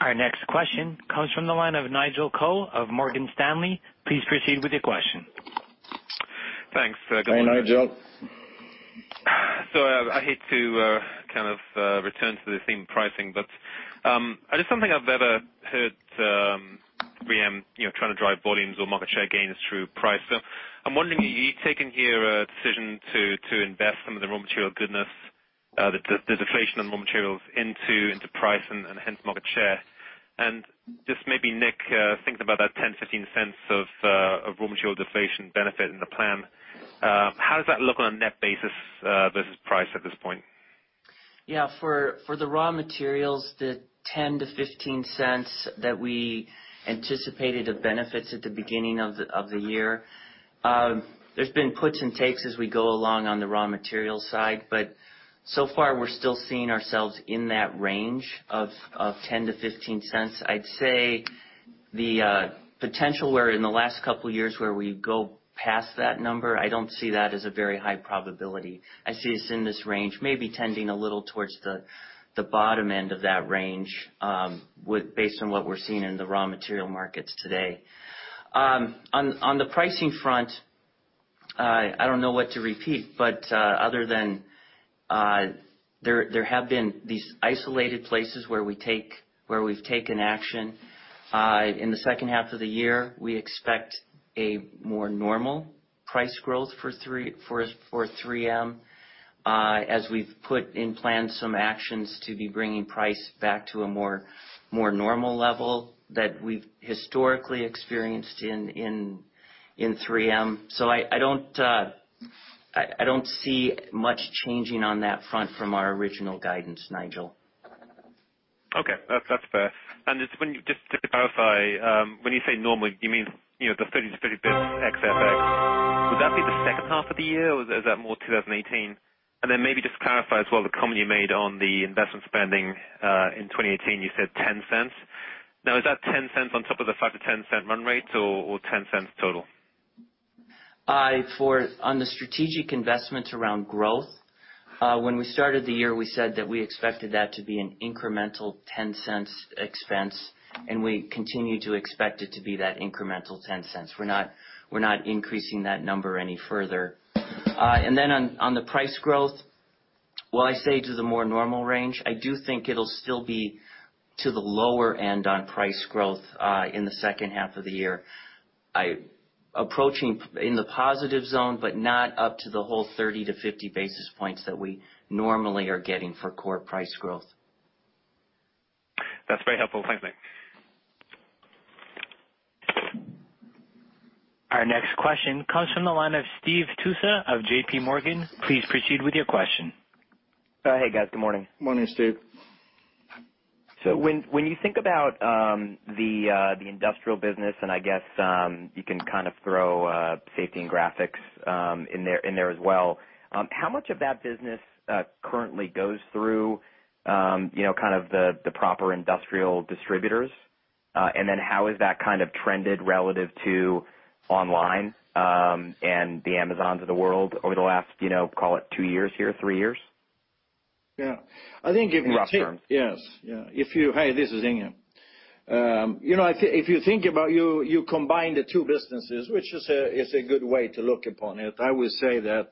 Our next question comes from the line of Nigel Coe of Morgan Stanley. Please proceed with your question. Thanks. Hey, Nigel. I hate to kind of return to the same pricing, but just something I've never heard 3M trying to drive volumes or market share gains through price. I'm wondering, are you taking here a decision to invest some of the raw material goodness, the deflation of raw materials into price and hence market share? Just maybe Nick, thinking about that $0.10, $0.15 of raw material deflation benefit in the plan, how does that look on a net basis versus price at this point? For the raw materials, the $0.10 to $0.15 that we anticipated of benefits at the beginning of the year, there's been puts and takes as we go along on the raw material side. So far we're still seeing ourselves in that range of $0.10 to $0.15. I'd say the potential where in the last couple of years where we go past that number, I don't see that as a very high probability. I see us in this range, maybe tending a little towards the bottom end of that range, based on what we're seeing in the raw material markets today. On the pricing front, I don't know what to repeat, but other than there have been these isolated places where we've taken action. In the second half of the year, we expect a more normal price growth for 3M, as we've put in plan some actions to be bringing price back to a more normal level that we've historically experienced in 3M. I don't see much changing on that front from our original guidance, Nigel. Okay. That's fair. Just to clarify, when you say normal, you mean the 30 to 50 basis ex FX. Would that be the second half of the year, or is that more 2018? Maybe just clarify as well the comment you made on the investment spending, in 2018, you said $0.10. Is that $0.10 on top of the $0.05-$0.10 run rate or $0.10 total? On the strategic investments around growth, when we started the year, we said that we expected that to be an incremental $0.10 expense, and we continue to expect it to be that incremental $0.10. We're not increasing that number any further. On the price growth, while I say to the more normal range, I do think it'll still be to the lower end on price growth, in the second half of the year. Approaching in the positive zone, not up to the whole 30 to 50 basis points that we normally are getting for core price growth. That's very helpful. Thanks, Nick. Our next question comes from the line of Steve Tusa of JP Morgan. Please proceed with your question. Hey, guys. Good morning. Morning, Steve. When you think about the industrial business, I guess you can kind of throw Safety and Graphics in there as well, how much of that business currently goes through the proper industrial distributors? How has that trended relative to online and the Amazons of the world over the last, call it two years here, three years? Yeah. I think if you Rough term. Yes. Yeah. Hey, this is Inge. If you think about you combine the two businesses, which is a good way to look upon it, I would say that,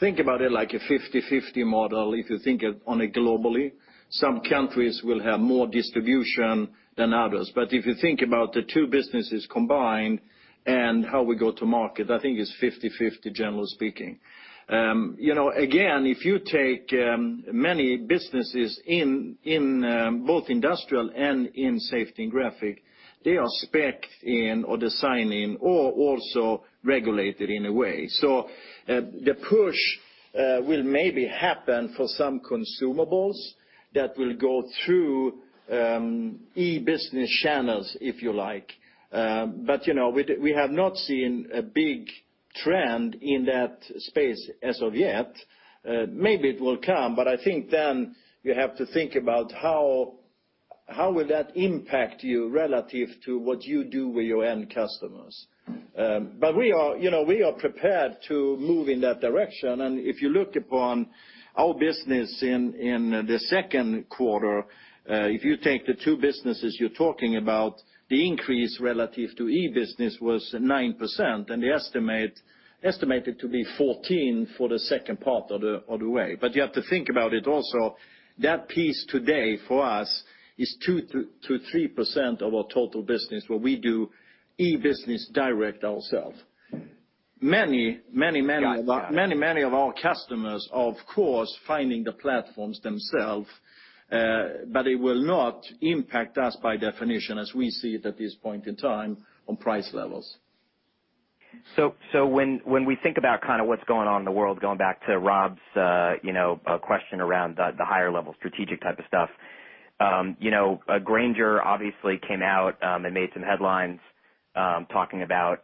think about it like a 50/50 model, if you think on it globally. Some countries will have more distribution than others. If you think about the two businesses combined and how we go to market, I think it's 50/50, generally speaking. Again, if you take many businesses in both industrial and in Safety and Graphic, they are spec-in or design-in, or also regulated in a way. The push will maybe happen for some consumables that will go through e-business channels, if you like. We have not seen a big trend in that space as of yet. Maybe it will come, I think then you have to think about how will that impact you relative to what you do with your end customers. We are prepared to move in that direction, and if you look upon our business in the second quarter, if you take the two businesses you're talking about, the increase relative to e-business was 9%, and they estimate it to be 14 for the second part of the way. You have to think about it also, that piece today, for us, is 2%-3% of our total business where we do e-business direct ourselves. Got you. many of our customers are, of course, finding the platforms themselves, it will not impact us by definition as we see it at this point in time on price levels. When we think about what's going on in the world, going back to Rob's question around the higher level strategic type of stuff, Grainger obviously came out and made some headlines talking about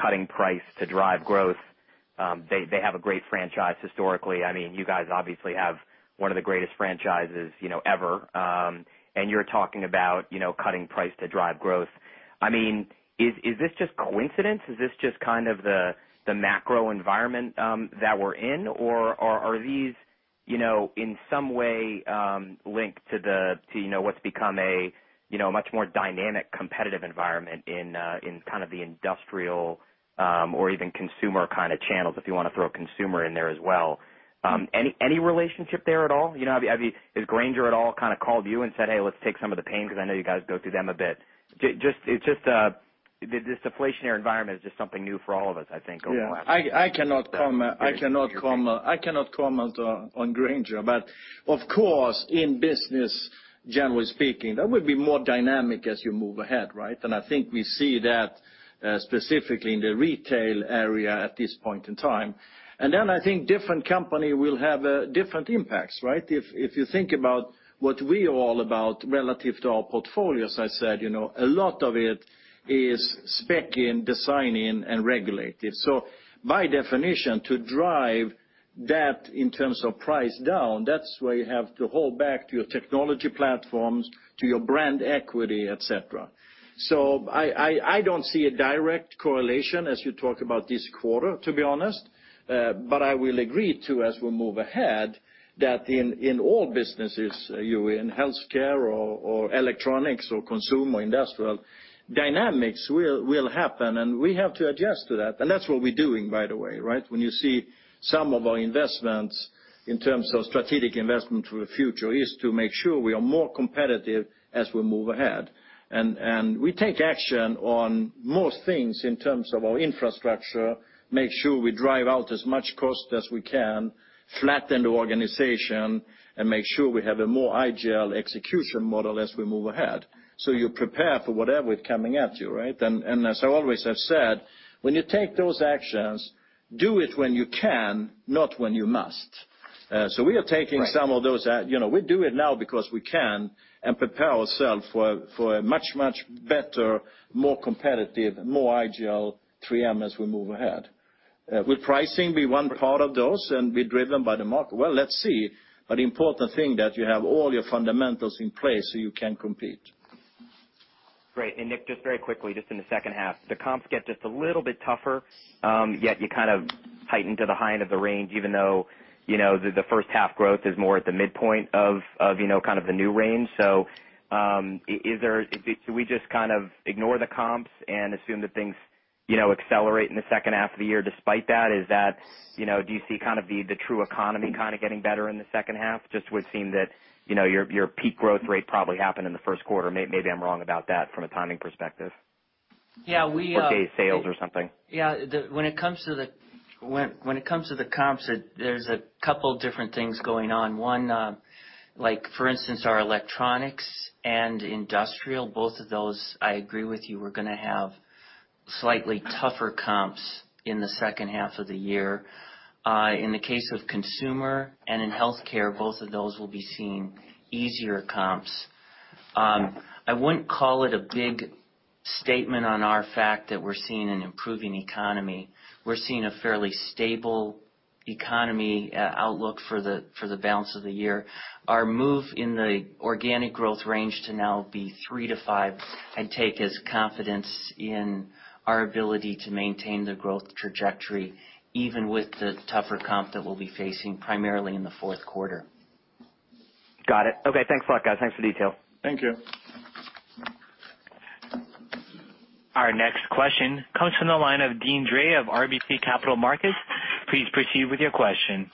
cutting price to drive growth. They have a great franchise historically. You guys obviously have one of the greatest franchises ever, and you're talking about cutting price to drive growth. Is this just coincidence? Is this just the macro environment that we're in, or are these in some way linked to what's become a much more dynamic, competitive environment in the industrial or even consumer channels, if you want to throw consumer in there as well? Any relationship there at all? Has Grainger at all called you and said, "Hey, let's take some of the pain," because I know you guys go through them a bit. This deflationary environment is just something new for all of us, I think, over the last couple of years. I cannot comment on Grainger, of course, in business, generally speaking, that will be more dynamic as you move ahead, right? I think we see that specifically in the retail area at this point in time. I think different company will have different impacts, right? If you think about what we are all about relative to our portfolio, as I said, a lot of it is spec-in, design-in and regulated. By definition, to drive that in terms of price down, that's where you have to hold back to your technology platforms, to your brand equity, et cetera. I don't see a direct correlation as you talk about this quarter, to be honest. I will agree to, as we move ahead, that in all businesses, you're in healthcare or electronics or consumer or industrial, dynamics will happen, and we have to adjust to that. That's what we're doing, by the way, right? When you see some of our investments in terms of strategic investment for the future is to make sure we are more competitive as we move ahead. We take action on most things in terms of our infrastructure, make sure we drive out as much cost as we can, flatten the organization, and make sure we have a more agile execution model as we move ahead. You prepare for whatever is coming at you, right? As I always have said, when you take those actions, do it when you can, not when you must. Right. We're doing it now because we can and prepare ourselves for a much, much better, more competitive, more agile 3M as we move ahead. Will pricing be one part of those and be driven by the market? Well, let's see. The important thing that you have all your fundamentals in place so you can compete. Great. Nick, just very quickly, just in the second half, the comps get just a little bit tougher, yet you kind of heighten to the high end of the range, even though the first half growth is more at the midpoint of the new range. Should we just ignore the comps and assume that things accelerate in the second half of the year despite that? Do you see the true economy getting better in the second half? Just would seem that your peak growth rate probably happened in the first quarter. Maybe I'm wrong about that from a timing perspective. Yeah. Okay, sales or something. Yeah. When it comes to the comps, there's a couple different things going on. One, for instance, our electronics and industrial, both of those, I agree with you, we're going to have slightly tougher comps in the second half of the year. In the case of consumer and in healthcare, both of those will be seeing easier comps. I wouldn't call it a big statement on our fact that we're seeing an improving economy. We're seeing a fairly stable economy outlook for the balance of the year. Our move in the organic growth range to now be 3%-5%, I'd take as confidence in our ability to maintain the growth trajectory, even with the tougher comp that we'll be facing primarily in the fourth quarter. Got it. Okay, thanks a lot, guys. Thanks for the detail. Thank you. Our next question comes from the line of Deane Dray of RBC Capital Markets. Please proceed with your question.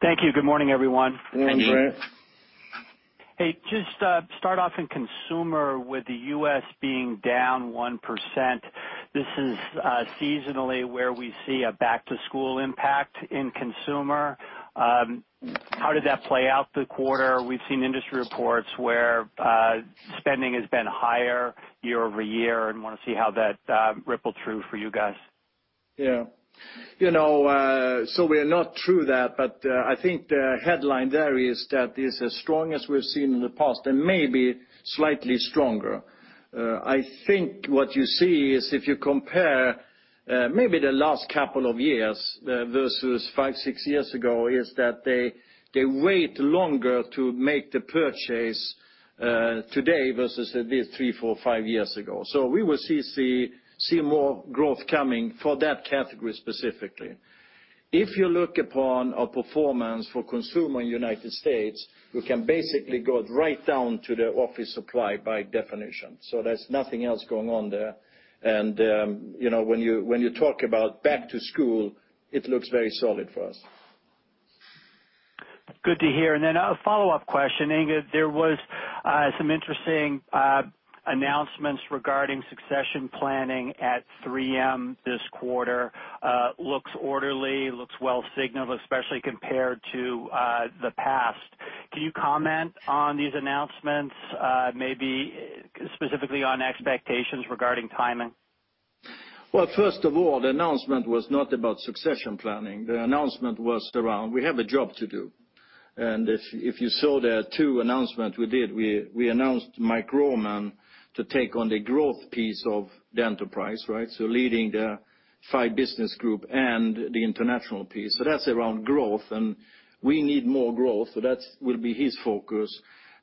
Thank you. Good morning, everyone. Morning, Deane. Hey, just start off in consumer with the U.S. being down 1%. This is seasonally where we see a back-to-school impact in consumer. How did that play out the quarter? We've seen industry reports where spending has been higher year-over-year and want to see how that rippled through for you guys. Yeah. We are not through that, but I think the headline there is that it's as strong as we've seen in the past and maybe slightly stronger. I think what you see is if you compare maybe the last couple of years versus five, six years ago, is that they wait longer to make the purchase today versus they did three, four, five years ago. We will see more growth coming for that category specifically. If you look upon our performance for consumer in the U.S., we can basically go right down to the office supply by definition. There's nothing else going on there. When you talk about back to school, it looks very solid for us. Good to hear. Then a follow-up question, Inge. There was some interesting announcements regarding succession planning at 3M this quarter. Looks orderly, looks well signaled, especially compared to the past. Can you comment on these announcements, maybe specifically on expectations regarding timing? First of all, the announcement was not about succession planning. The announcement was around we have a job to do. If you saw the two announcement we did, we announced Mike Roman to take on the growth piece of the enterprise, right? Leading the five business group and the international piece. That's around growth, and we need more growth, that will be his focus.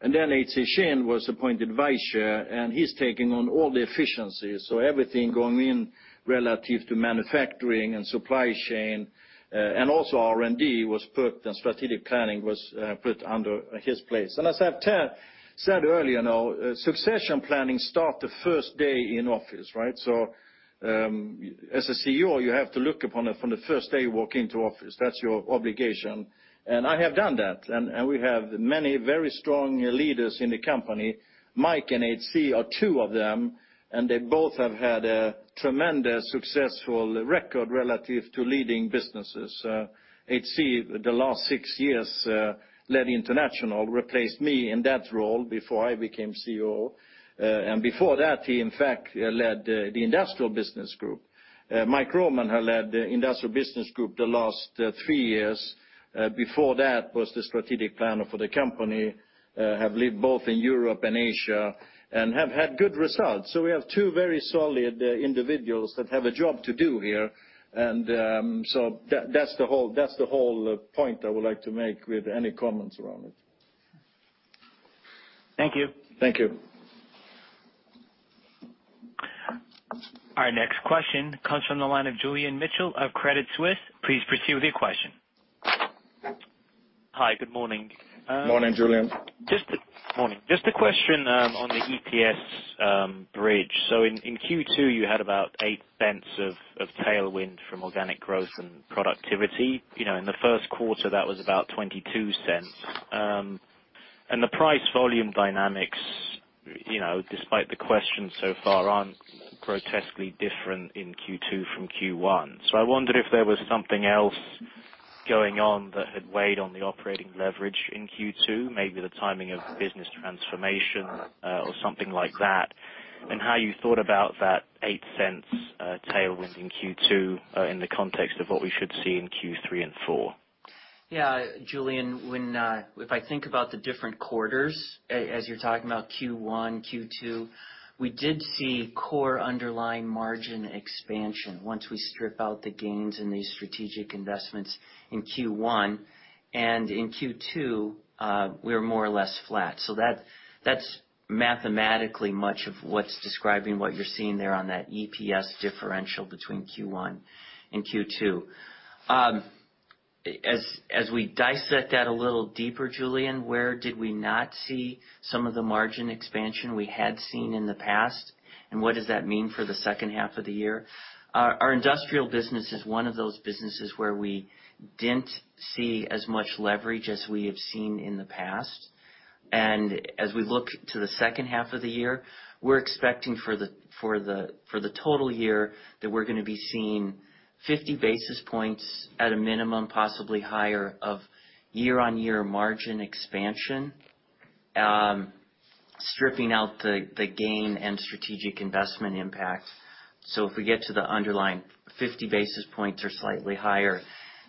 Then HC Shin was appointed Vice Chair, and he's taking on all the efficiencies. Everything going in relative to manufacturing and supply chain, and also R&D and strategic planning was put under his place. As I've said earlier now, succession planning start the first day in office, right? As a CEO, you have to look upon it from the first day you walk into office. That's your obligation. I have done that, and we have many very strong leaders in the company. Mike and HC are two of them, and they both have had a tremendous successful record relative to leading businesses. HC Shin, the last six years, led international, replaced me in that role before I became CEO. Before that, he in fact, led the industrial business group. Mike Roman had led the industrial business group the last three years. Before that, was the strategic planner for the company, have lived both in Europe and Asia and have had good results. We have two very solid individuals that have a job to do here, and that's the whole point I would like to make with any comments around it. Thank you. Thank you. Our next question comes from the line of Julian Mitchell of Credit Suisse. Please proceed with your question. Hi, good morning. Morning, Julian. Morning. Just a question on the EPS bridge. In Q2, you had about $0.08 of tailwind from organic growth and productivity. In the first quarter, that was about $0.22. The price-volume dynamics, despite the questions so far, aren't grotesquely different in Q2 from Q1. I wondered if there was something else going on that had weighed on the operating leverage in Q2, maybe the timing of the business transformation or something like that, and how you thought about that $0.08 tailwind in Q2 in the context of what we should see in Q3 and Q4. Julian, if I think about the different quarters, as you're talking about Q1, Q2, we did see core underlying margin expansion once we strip out the gains in these strategic investments in Q1. In Q2, we were more or less flat. That's mathematically much of what's describing what you're seeing there on that EPS differential between Q1 and Q2. As we dissect that a little deeper, Julian, where did we not see some of the margin expansion we had seen in the past, and what does that mean for the second half of the year? Our industrial business is one of those businesses where we didn't see as much leverage as we have seen in the past. As we look to the second half of the year, we're expecting for the total year that we're going to be seeing 50 basis points at a minimum, possibly higher of year-on-year margin expansion. Stripping out the gain and strategic investment impact. If we get to the underlying 50 basis points or slightly higher,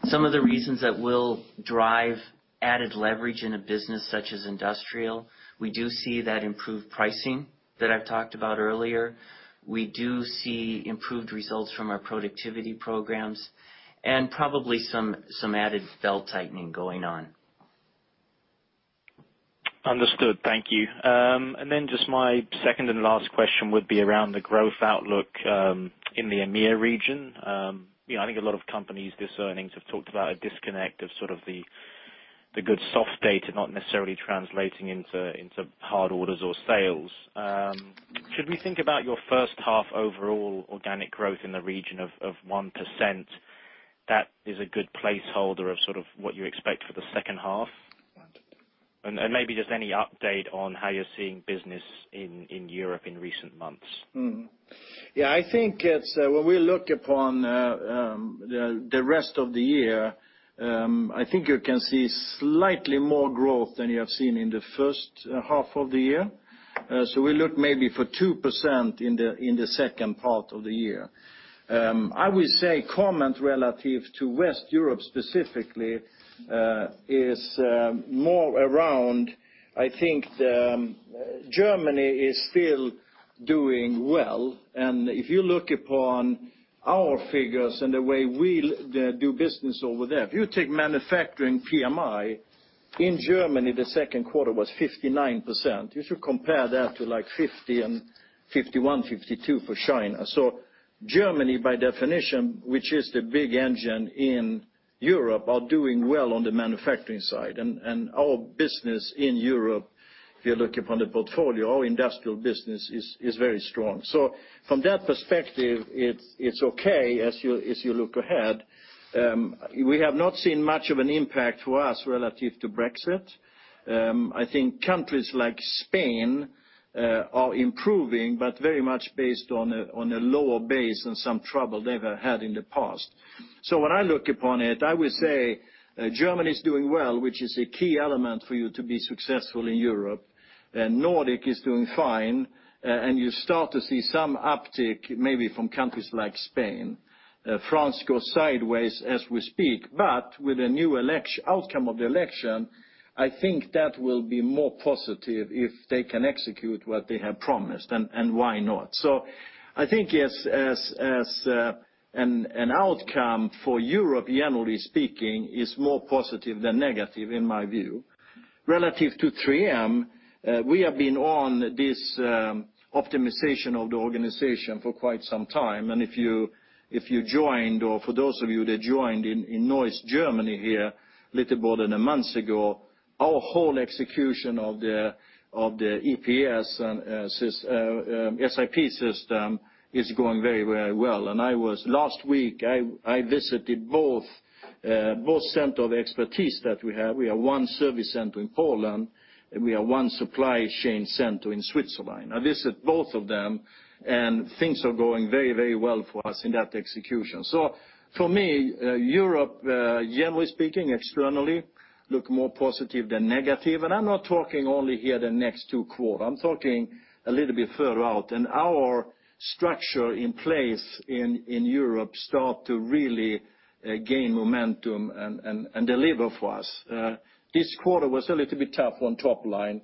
some of the reasons that will drive added leverage in a business such as industrial, we do see that improved pricing that I've talked about earlier. We do see improved results from our productivity programs and probably some added belt-tightening going on. Understood. Thank you. Just my second and last question would be around the growth outlook in the EMEA region. I think a lot of companies, this earnings have talked about a disconnect of sort of the good soft data, not necessarily translating into hard orders or sales. Should we think about your first half overall organic growth in the region of 1% that is a good placeholder of sort of what you expect for the second half? Maybe just any update on how you're seeing business in Europe in recent months. I think when we look upon the rest of the year, I think you can see slightly more growth than you have seen in the first half of the year. We look maybe for 2% in the second part of the year. I would say comment relative to West Europe specifically, is more around, I think Germany is still doing well, and if you look upon our figures and the way we do business over there, if you take manufacturing PMI in Germany, the second quarter was 59%. You should compare that to like 50 and 51, 52 for China. Germany, by definition, which is the big engine in Europe, are doing well on the manufacturing side. Our business in Europe, if you look upon the portfolio, our industrial business is very strong. From that perspective, it's okay as you look ahead. We have not seen much of an impact for us relative to Brexit. I think countries like Spain are improving, but very much based on a lower base and some trouble they've had in the past. When I look upon it, I would say Germany's doing well, which is a key element for you to be successful in Europe. Nordic is doing fine, and you start to see some uptick maybe from countries like Spain. France goes sideways as we speak, but with a new outcome of the election, I think that will be more positive if they can execute what they have promised. Why not? I think as an outcome for Europe, generally speaking, is more positive than negative in my view. Relative to 3M, we have been on this optimization of the organization for quite some time, and if you joined, or for those of you that joined in Neuss, Germany here a little more than a month ago, our whole execution of the EPS and SAP system is going very well. Last week, I visited both center of expertise that we have. We have one service center in Poland, and we have one supply chain center in Switzerland. I visited both of them, and things are going very well for us in that execution. For me, Europe, generally speaking, externally look more positive than negative in my view. I'm not talking only here the next two quarter. I'm talking a little bit further out. Our structure in place in Europe start to really gain momentum and deliver for us. This quarter was a little bit tough on top line,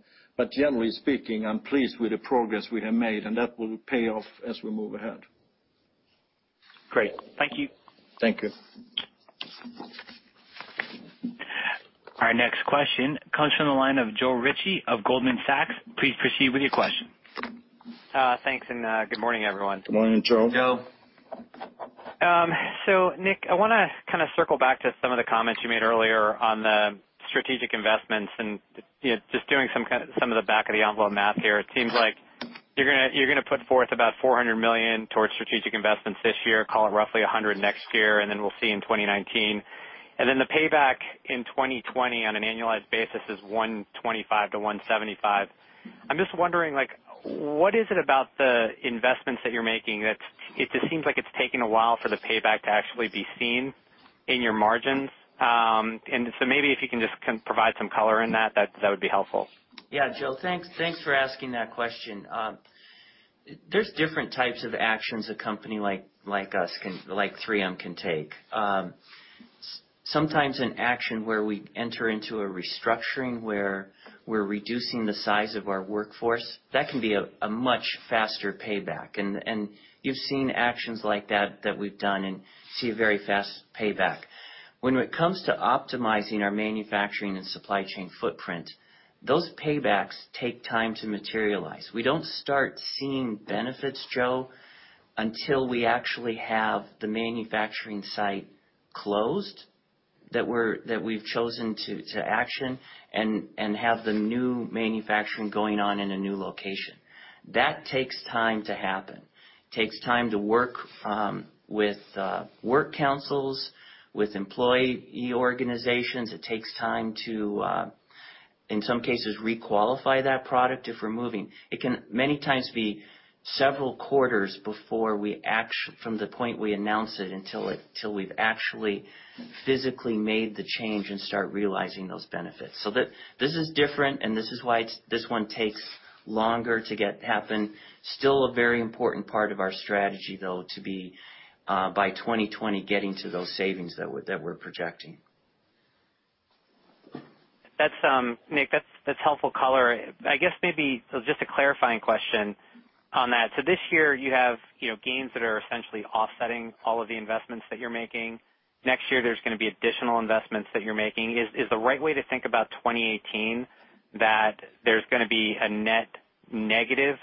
generally speaking, I'm pleased with the progress we have made, and that will pay off as we move ahead. Great. Thank you. Thank you. Our next question comes from the line of Joe Ritchie of Goldman Sachs. Please proceed with your question. Thanks, and good morning, everyone. Good morning, Joe. Joe. Nick, I want to kind of circle back to some of the comments you made earlier on the strategic investments and just doing some of the back of the envelope math here. It seems like you're going to put forth about $400 million towards strategic investments this year, call it roughly $100 million next year, and then we'll see in 2019. Then the payback in 2020 on an annualized basis is $125 million-$175 million. I'm just wondering, what is it about the investments that you're making that it just seems like it's taking a while for the payback to actually be seen in your margins? Maybe if you can just provide some color in that would be helpful. Yeah, Joe, thanks for asking that question. There's different types of actions a company like 3M can take. Sometimes an action where we enter into a restructuring, where we're reducing the size of our workforce, that can be a much faster payback. You've seen actions like that we've done and see a very fast payback. When it comes to optimizing our manufacturing and supply chain footprint, those paybacks take time to materialize. We don't start seeing benefits, Joe, until we actually have the manufacturing site closed that we've chosen to action and have the new manufacturing going on in a new location. That takes time to happen. It takes time to work with work councils, with employee organizations. It takes time to In some cases, re-qualify that product if we're moving. It can many times be several quarters from the point we announce it until we've actually physically made the change and start realizing those benefits. This is different, and this is why this one takes longer to happen. Still a very important part of our strategy, though, to be by 2020 getting to those savings that we're projecting. Nick, that's helpful color. I guess maybe, just a clarifying question on that. This year you have gains that are essentially offsetting all of the investments that you're making. Next year, there's going to be additional investments that you're making. Is the right way to think about 2018 that there's going to be a net negative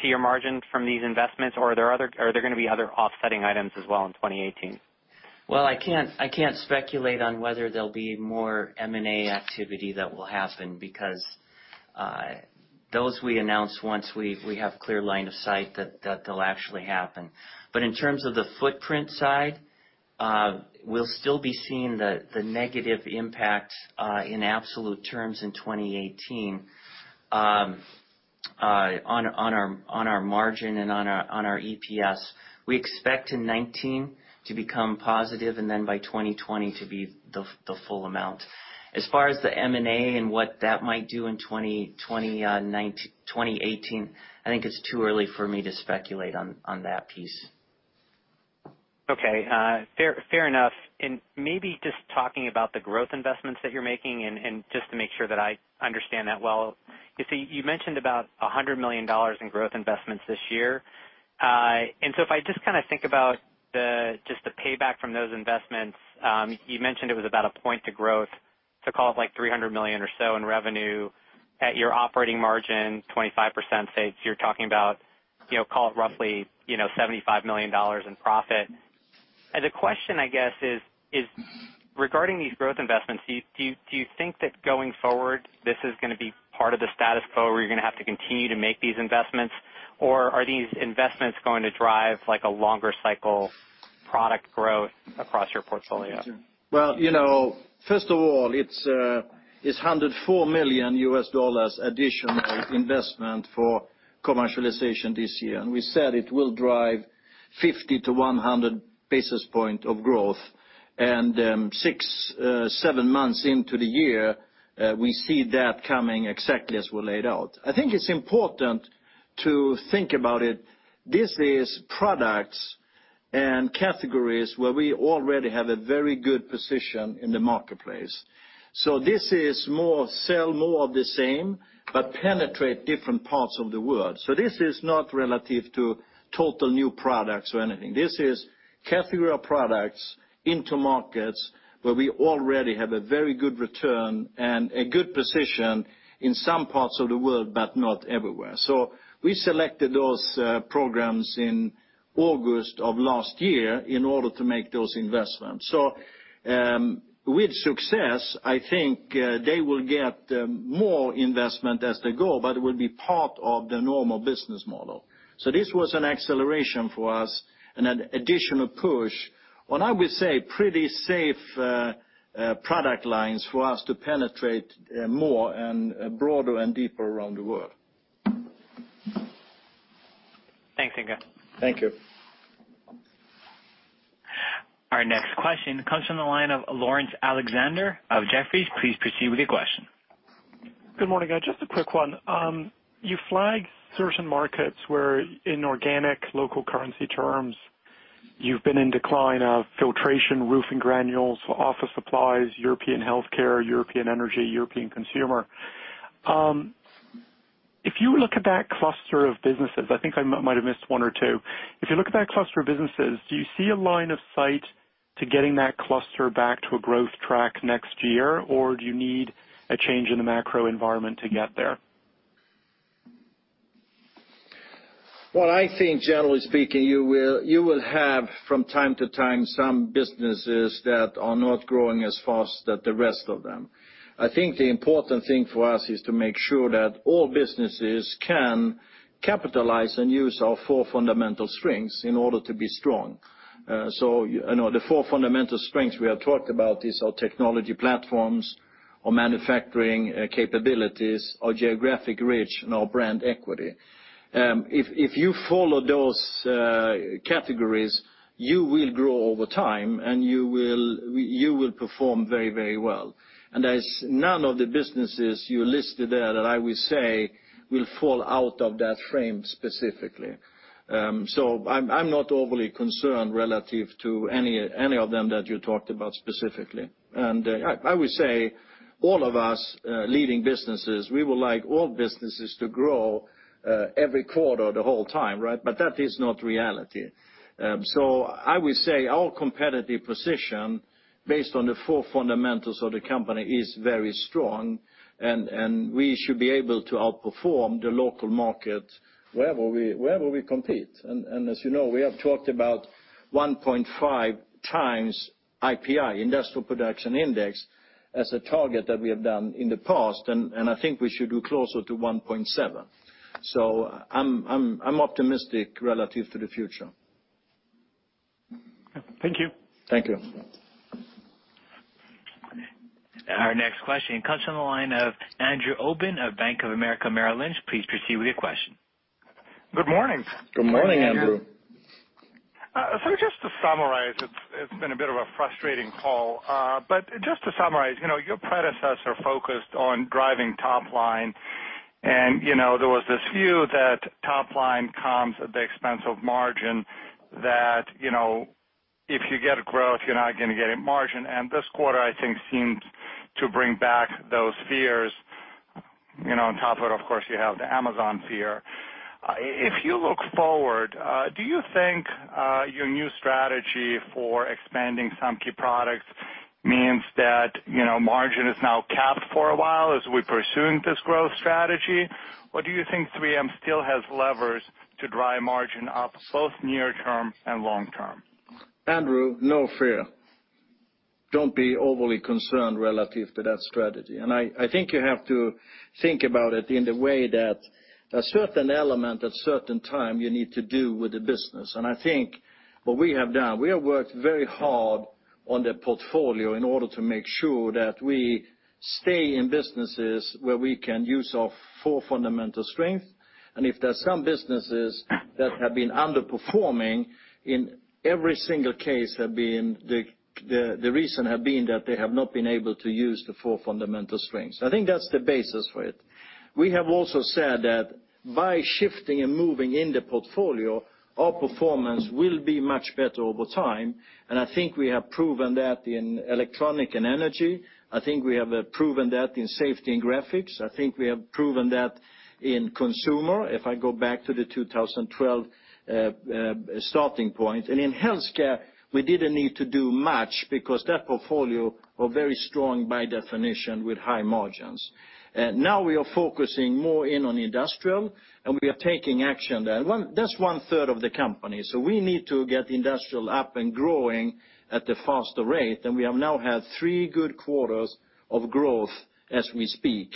to your margins from these investments, or are there going to be other offsetting items as well in 2018? Well, I can't speculate on whether there'll be more M&A activity that will happen, because those we announce once we have clear line of sight that they'll actually happen. In terms of the footprint side, we'll still be seeing the negative impact, in absolute terms, in 2018 on our margin and on our EPS. We expect in 2019 to become positive, and then by 2020 to be the full amount. As far as the M&A and what that might do in 2018, I think it's too early for me to speculate on that piece. Okay. Fair enough. Maybe just talking about the growth investments that you're making, and just to make sure that I understand that well. You mentioned about $100 million in growth investments this year. If I just think about just the payback from those investments, you mentioned it was about a point to growth to call it, like $300 million or so in revenue at your operating margin, 25%, say. You're talking about, call it roughly $75 million in profit. The question, I guess, is regarding these growth investments, do you think that going forward this is going to be part of the status quo, or you're going to have to continue to make these investments? Are these investments going to drive a longer cycle product growth across your portfolio? Well, first of all, it's $104 million additional investment for commercialization this year, and we said it will drive 50 to 100 basis points of growth. Six, seven months into the year, we see that coming exactly as we laid out. I think it's important to think about it. This is products and categories where we already have a very good position in the marketplace. This is more sell more of the same, but penetrate different parts of the world. This is not relative to total new products or anything. This is category of products into markets where we already have a very good return and a good position in some parts of the world, but not everywhere. We selected those programs in August of last year in order to make those investments. With success, I think they will get more investment as they go, but it will be part of the normal business model. This was an acceleration for us and an additional push on, I would say pretty safe product lines for us to penetrate more and broader and deeper around the world. Thanks, Inge. Thank you. Our next question comes from the line of Laurence Alexander of Jefferies. Please proceed with your question. Good morning. Just a quick one. You flagged certain markets where in organic local currency terms, you've been in decline of filtration, roofing granules, office supplies, European healthcare, European energy, European consumer. If you look at that cluster of businesses, I think I might have missed one or two. If you look at that cluster of businesses, do you see a line of sight to getting that cluster back to a growth track next year, or do you need a change in the macro environment to get there? Well, I think generally speaking, you will have from time to time some businesses that are not growing as fast as the rest of them. I think the important thing for us is to make sure that all businesses can capitalize and use our four fundamental strengths in order to be strong. The four fundamental strengths we have talked about is our technology platforms, our manufacturing capabilities, our geographic reach, and our brand equity. If you follow those categories, you will grow over time, and you will perform very well. As none of the businesses you listed there that I will say will fall out of that frame specifically. I'm not overly concerned relative to any of them that you talked about specifically. I would say all of us leading businesses, we would like all businesses to grow every quarter the whole time, right? That is not reality. I would say our competitive position based on the four fundamentals of the company is very strong, and we should be able to outperform the local market wherever we compete. As you know, we have talked about 1.5 times IPI, Industrial Production Index, as a target that we have done in the past, and I think we should do closer to 1.7. I'm optimistic relative to the future. Thank you. Thank you. Our next question comes from the line of Andrew Obin of Bank of America Merrill Lynch. Please proceed with your question. Good morning. Good morning, Andrew. Just to summarize, it's been a bit of a frustrating call. Just to summarize, your predecessor focused on driving top line and there was this view that top line comes at the expense of margin, that if you get growth, you're not going to get a margin. This quarter, I think, seemed to bring back those fears. On top of it, of course, you have the Amazon fear. If you look forward, do you think your new strategy for expanding some key products means that margin is now capped for a while as we're pursuing this growth strategy? Or do you think 3M still has levers to drive margin up both near term and long term? Andrew, no fear. Don't be overly concerned relative to that strategy. I think you have to think about it in the way that a certain element at certain time you need to do with the business. I think what we have done, we have worked very hard on the portfolio in order to make sure that we stay in businesses where we can use our four fundamental strengths. If there's some businesses that have been underperforming, in every single case, the reason have been that they have not been able to use the four fundamental strengths. I think that's the basis for it. We have also said that by shifting and moving in the portfolio, our performance will be much better over time, and I think we have proven that in electronic and energy. I think we have proven that in Safety and Graphics. I think we have proven that in consumer, if I go back to the 2012 starting point. In healthcare, we didn't need to do much because that portfolio are very strong by definition with high margins. Now we are focusing more in on industrial, and we are taking action there. That's one third of the company, we need to get industrial up and growing at a faster rate, and we have now had three good quarters of growth as we speak.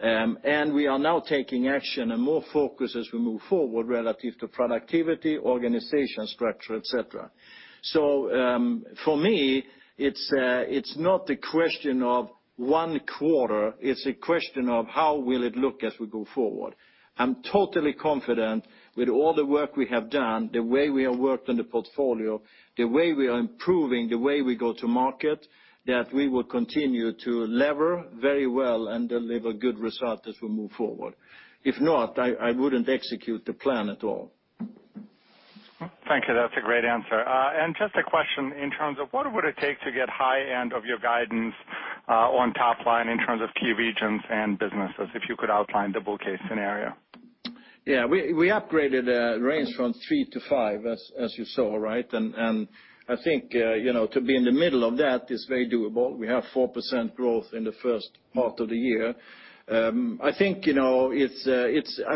We are now taking action and more focus as we move forward relative to productivity, organization structure, et cetera. For me, it's not a question of one quarter, it's a question of how will it look as we go forward. I'm totally confident with all the work we have done, the way we have worked on the portfolio, the way we are improving, the way we go to market, that we will continue to lever very well and deliver good result as we move forward. If not, I wouldn't execute the plan at all. Thank you. That's a great answer. Just a question in terms of what would it take to get high end of your guidance on top line in terms of key regions and businesses, if you could outline the bull case scenario? We upgraded range from 3-5 as you saw, right? I think to be in the middle of that is very doable. We have 4% growth in the first part of the year. I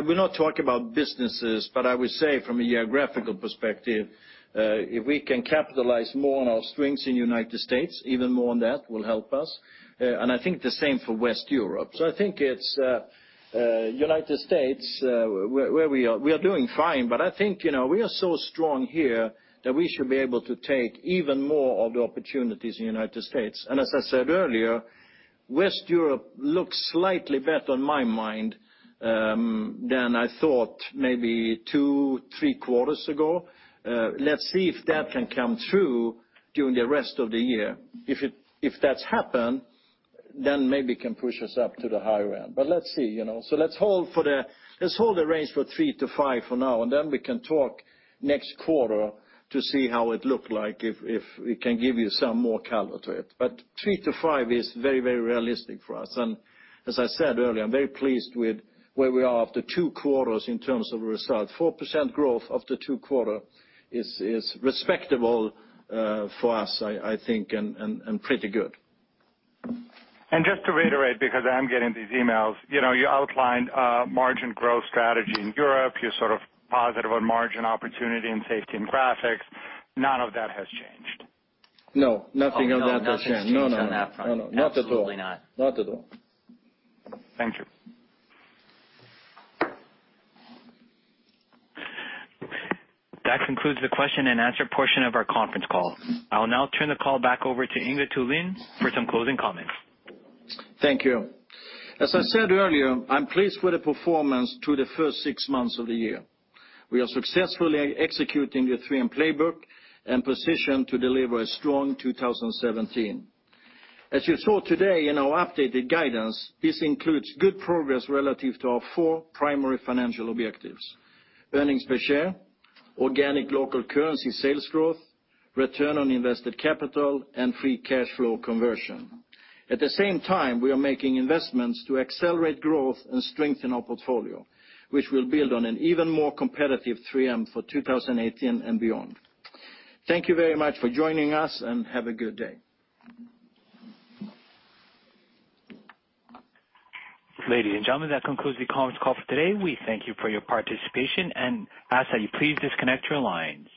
will not talk about businesses, but I would say from a geographical perspective, if we can capitalize more on our strengths in United States, even more on that will help us. I think the same for West Europe. I think it's United States, we are doing fine, but I think we are so strong here that we should be able to take even more of the opportunities in United States. As I said earlier, West Europe looks slightly better in my mind than I thought maybe two, three quarters ago. Let's see if that can come through during the rest of the year. If that's happened, maybe can push us up to the higher end. Let's see. Let's hold the range for 3-5 for now, and then we can talk next quarter to see how it look like if we can give you some more color to it. 3-5 is very realistic for us. As I said earlier, I'm very pleased with where we are after two quarters in terms of result. 4% growth after two quarter is respectable for us, I think, and pretty good. Just to reiterate, because I'm getting these emails. You outlined a margin growth strategy in Europe. You're sort of positive on margin opportunity in Safety and Graphics. None of that has changed. No, nothing of that has changed. No. No, nothing's changed on that front. Not at all. Absolutely not. Not at all. Thank you. That concludes the question and answer portion of our conference call. I'll now turn the call back over to Inge Thulin for some closing comments. Thank you. As I said earlier, I'm pleased with the performance through the first 6 months of the year. We are successfully executing the 3M playbook and positioned to deliver a strong 2017. As you saw today in our updated guidance, this includes good progress relative to our four primary financial objectives, EPS, organic local currency sales growth, ROI, and free cash flow conversion. At the same time, we are making investments to accelerate growth and strengthen our portfolio, which will build on an even more competitive 3M for 2018 and beyond. Thank you very much for joining us, and have a good day. Ladies and gentlemen, that concludes the conference call for today. We thank you for your participation and ask that you please disconnect your lines.